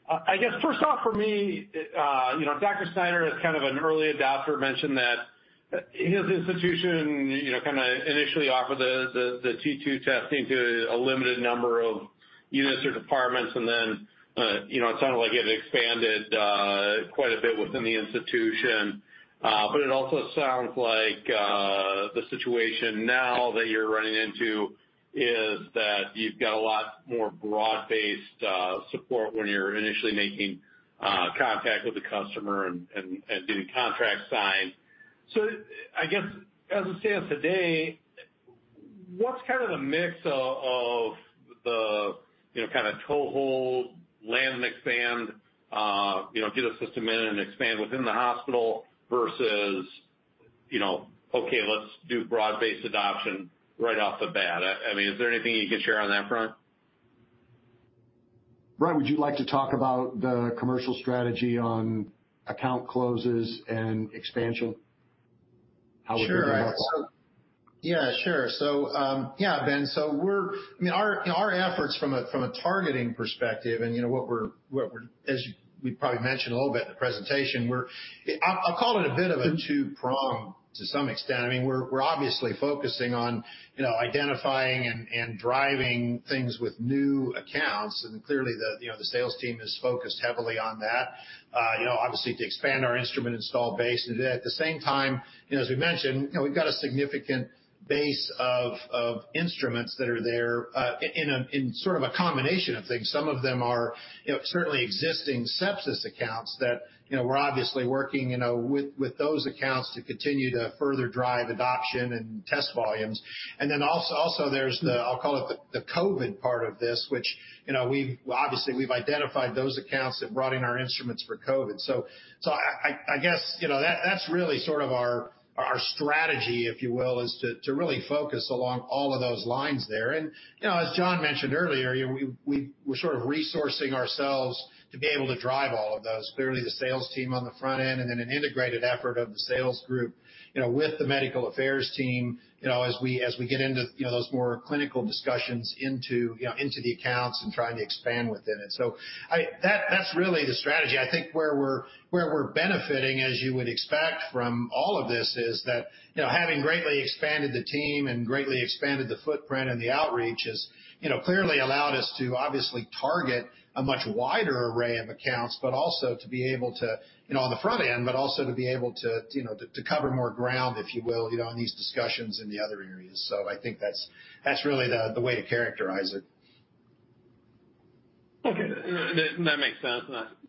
I guess first off for me, you know, Dr. Snyder as kind of an early adopter mentioned that his institution, you know, kinda initially offered the T2 testing to a limited number of units or departments, and then, you know, it sounded like it expanded quite a bit within the institution. But it also sounds like the situation now that you're running into is that you've got a lot more broad-based support when you're initially making contact with the customer and getting contracts signed. I guess as a stance today, what's kind of the mix of the, you know, kinda toe hold, land and expand, you know, get a system in and expand within the hospital versus, you know, okay, let's do broad-based adoption right off the bat? I mean, is there anything you can share on that front? Brett, would you like to talk about the commercial strategy on account closes and expansion? How would you- Sure. Yeah, sure. Yeah, Ben, so we're. I mean, our efforts from a targeting perspective and, you know, what we're as we probably mentioned a little bit in the presentation, we're. I'll call it a bit of a two-prong to some extent. I mean, we're obviously focusing on, you know, identifying and driving things with new accounts, and clearly the sales team is focused heavily on that, you know, obviously to expand our instrument install base. At the same time, you know, as we mentioned, we've got a significant base of instruments that are there, in sort of a combination of things. Some of them are, you know, certainly existing sepsis accounts that, you know, we're obviously working, you know, with those accounts to continue to further drive adoption and test volumes. Then also, there's the, I'll call it the COVID-19 part of this, which, you know, we've obviously identified those accounts that brought in our instruments for COVID-19. I guess, you know, that's really sort of our strategy, if you will, is to really focus along all of those lines there. You know, as John mentioned earlier, you know, we're sort of resourcing ourselves to be able to drive all of those. Clearly, the sales team on the front end and then an integrated effort of the sales group, you know, with the medical affairs team, you know, as we get into, you know, those more clinical discussions into, you know, into the accounts and trying to expand within it. That's really the strategy. I think where we're benefiting, as you would expect from all of this, is that, you know, having greatly expanded the team and greatly expanded the footprint and the outreach has, you know, clearly allowed us to obviously target a much wider array of accounts, but also to be able to, you know, on the front end, cover more ground, if you will, you know, on these discussions in the other areas. I think that's really the way to characterize it. Okay. That makes sense.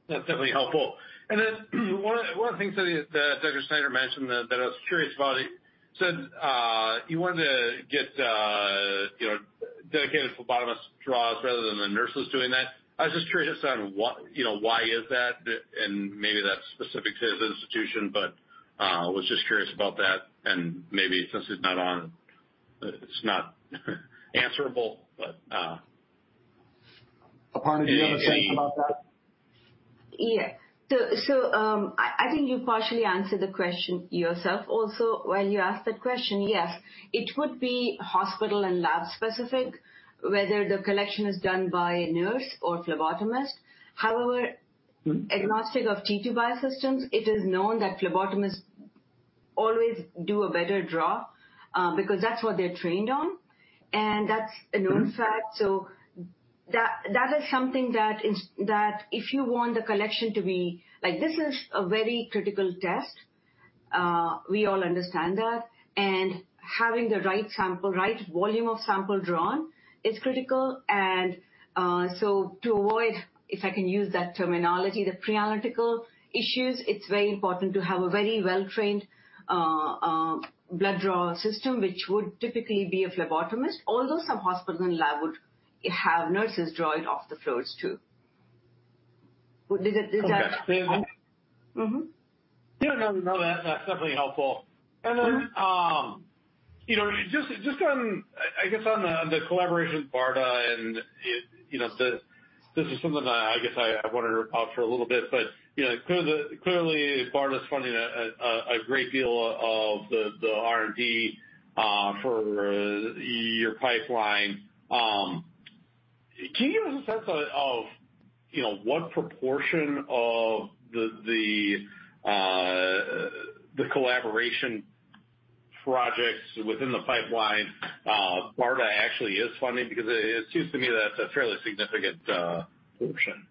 That's definitely helpful. One of the things that Dr. Snyder mentioned that I was curious about, he said he wanted to get you know, dedicated phlebotomist draws rather than the nurses doing that. I was just curious, you know, why is that? Maybe that's specific to his institution, but was just curious about that. Maybe since he's not on, it's not answerable, but Aparna, do you have a sense about that? Yeah. I think you partially answered the question yourself also when you asked that question. Yes, it would be hospital and lab specific whether the collection is done by a nurse or phlebotomist. However agnostic of T2 Biosystems, it is known that phlebotomists always do a better draw because that's what they're trained on, and that's a known fact. That is something that if you want the collection to be like, this is a very critical test, we all understand that. Having the right sample, right volume of sample drawn is critical. To avoid, if I can use that terminology, the pre-analytical issues, it's very important to have a very well-trained blood draw system, which would typically be a phlebotomist, although some hospitals and lab would have nurses draw it off the floors, too. Did that. Okay. Mm-hmm. No, no, that's definitely helpful. Mm-hmm. You know, just on, I guess, on the collaboration with BARDA. This is something that I guess I wanted to offer a little bit. You know, clearly, BARDA's funding a great deal of the R&D for your pipeline. Can you give us a sense of, you know, what proportion of the collaboration projects within the pipeline BARDA actually is funding? Because it seems to me that's a fairly significant portion.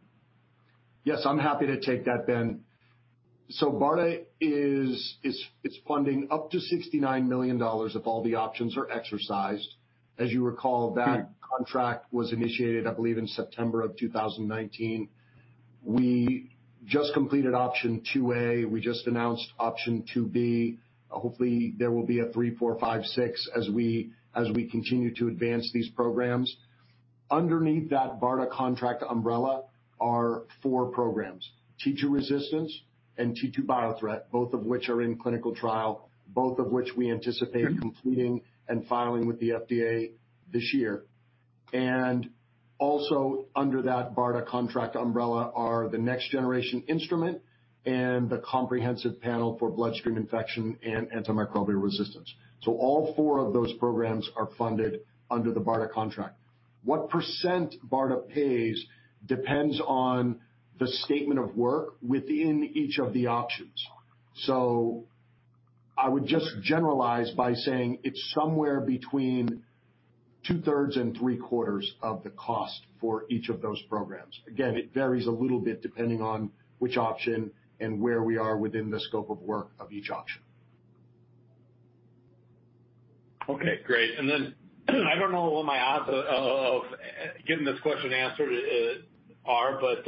Yes, I'm happy to take that, Ben. BARDA is funding up to $69 million if all the options are exercised. As you recall that contract was initiated, I believe, in September 2019. We just completed option 2A. We just announced option 2B. Hopefully, there will be a 3, 4, 5, 6 as we continue to advance these programs. Underneath that BARDA contract umbrella are four programs, T2Resistance Panel and T2Biothreat, both of which are in clinical trial, both of which we anticipate completing and filing with the FDA this year. Also under that BARDA contract umbrella are the next generation instrument and the comprehensive panel for bloodstream infection and antimicrobial resistance. All four of those programs are funded under the BARDA contract. What % BARDA pays depends on the statement of work within each of the options. I would just generalize by saying it's somewhere between two-thirds and three-quarters of the cost for each of those programs. Again, it varies a little bit depending on which option and where we are within the scope of work of each option. Okay, great. I don't know what my odds of getting this question answered are, but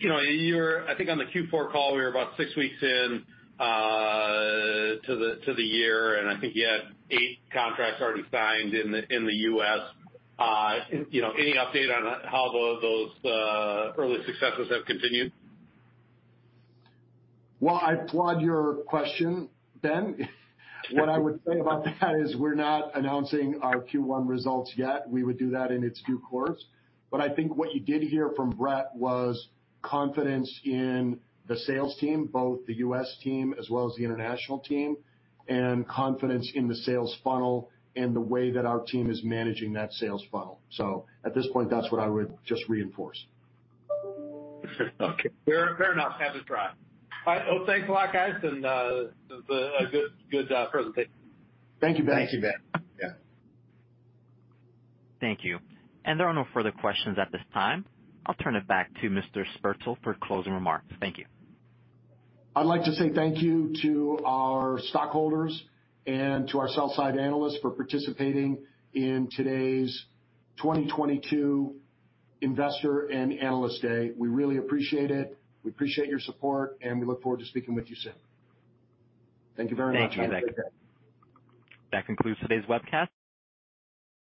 you know, I think on the Q4 call we were about six weeks in to the year, and I think you had eight contracts already signed in the U.S. You know, any update on how those early successes have continued? Well, I applaud your question, Ben. What I would say about that is we're not announcing our Q1 results yet. We would do that in its due course. But I think what you did hear from Brett was confidence in the sales team, both the U.S. team as well as the international team, and confidence in the sales funnel and the way that our team is managing that sales funnel. At this point, that's what I would just reinforce. Okay. Fair enough. Had to try. All right. Well, thanks a lot, guys, and a good presentation. Thank you, Ben. Thank you, Ben. Yeah. Thank you. There are no further questions at this time. I'll turn it back to Mr. Sperzel for closing remarks. Thank you. I'd like to say thank you to our stockholders and to our sell side analysts for participating in today's 2022 Investor and Analyst Day. We really appreciate it. We appreciate your support, and we look forward to speaking with you soon. Thank you very much. Thanks. That concludes today's webcast.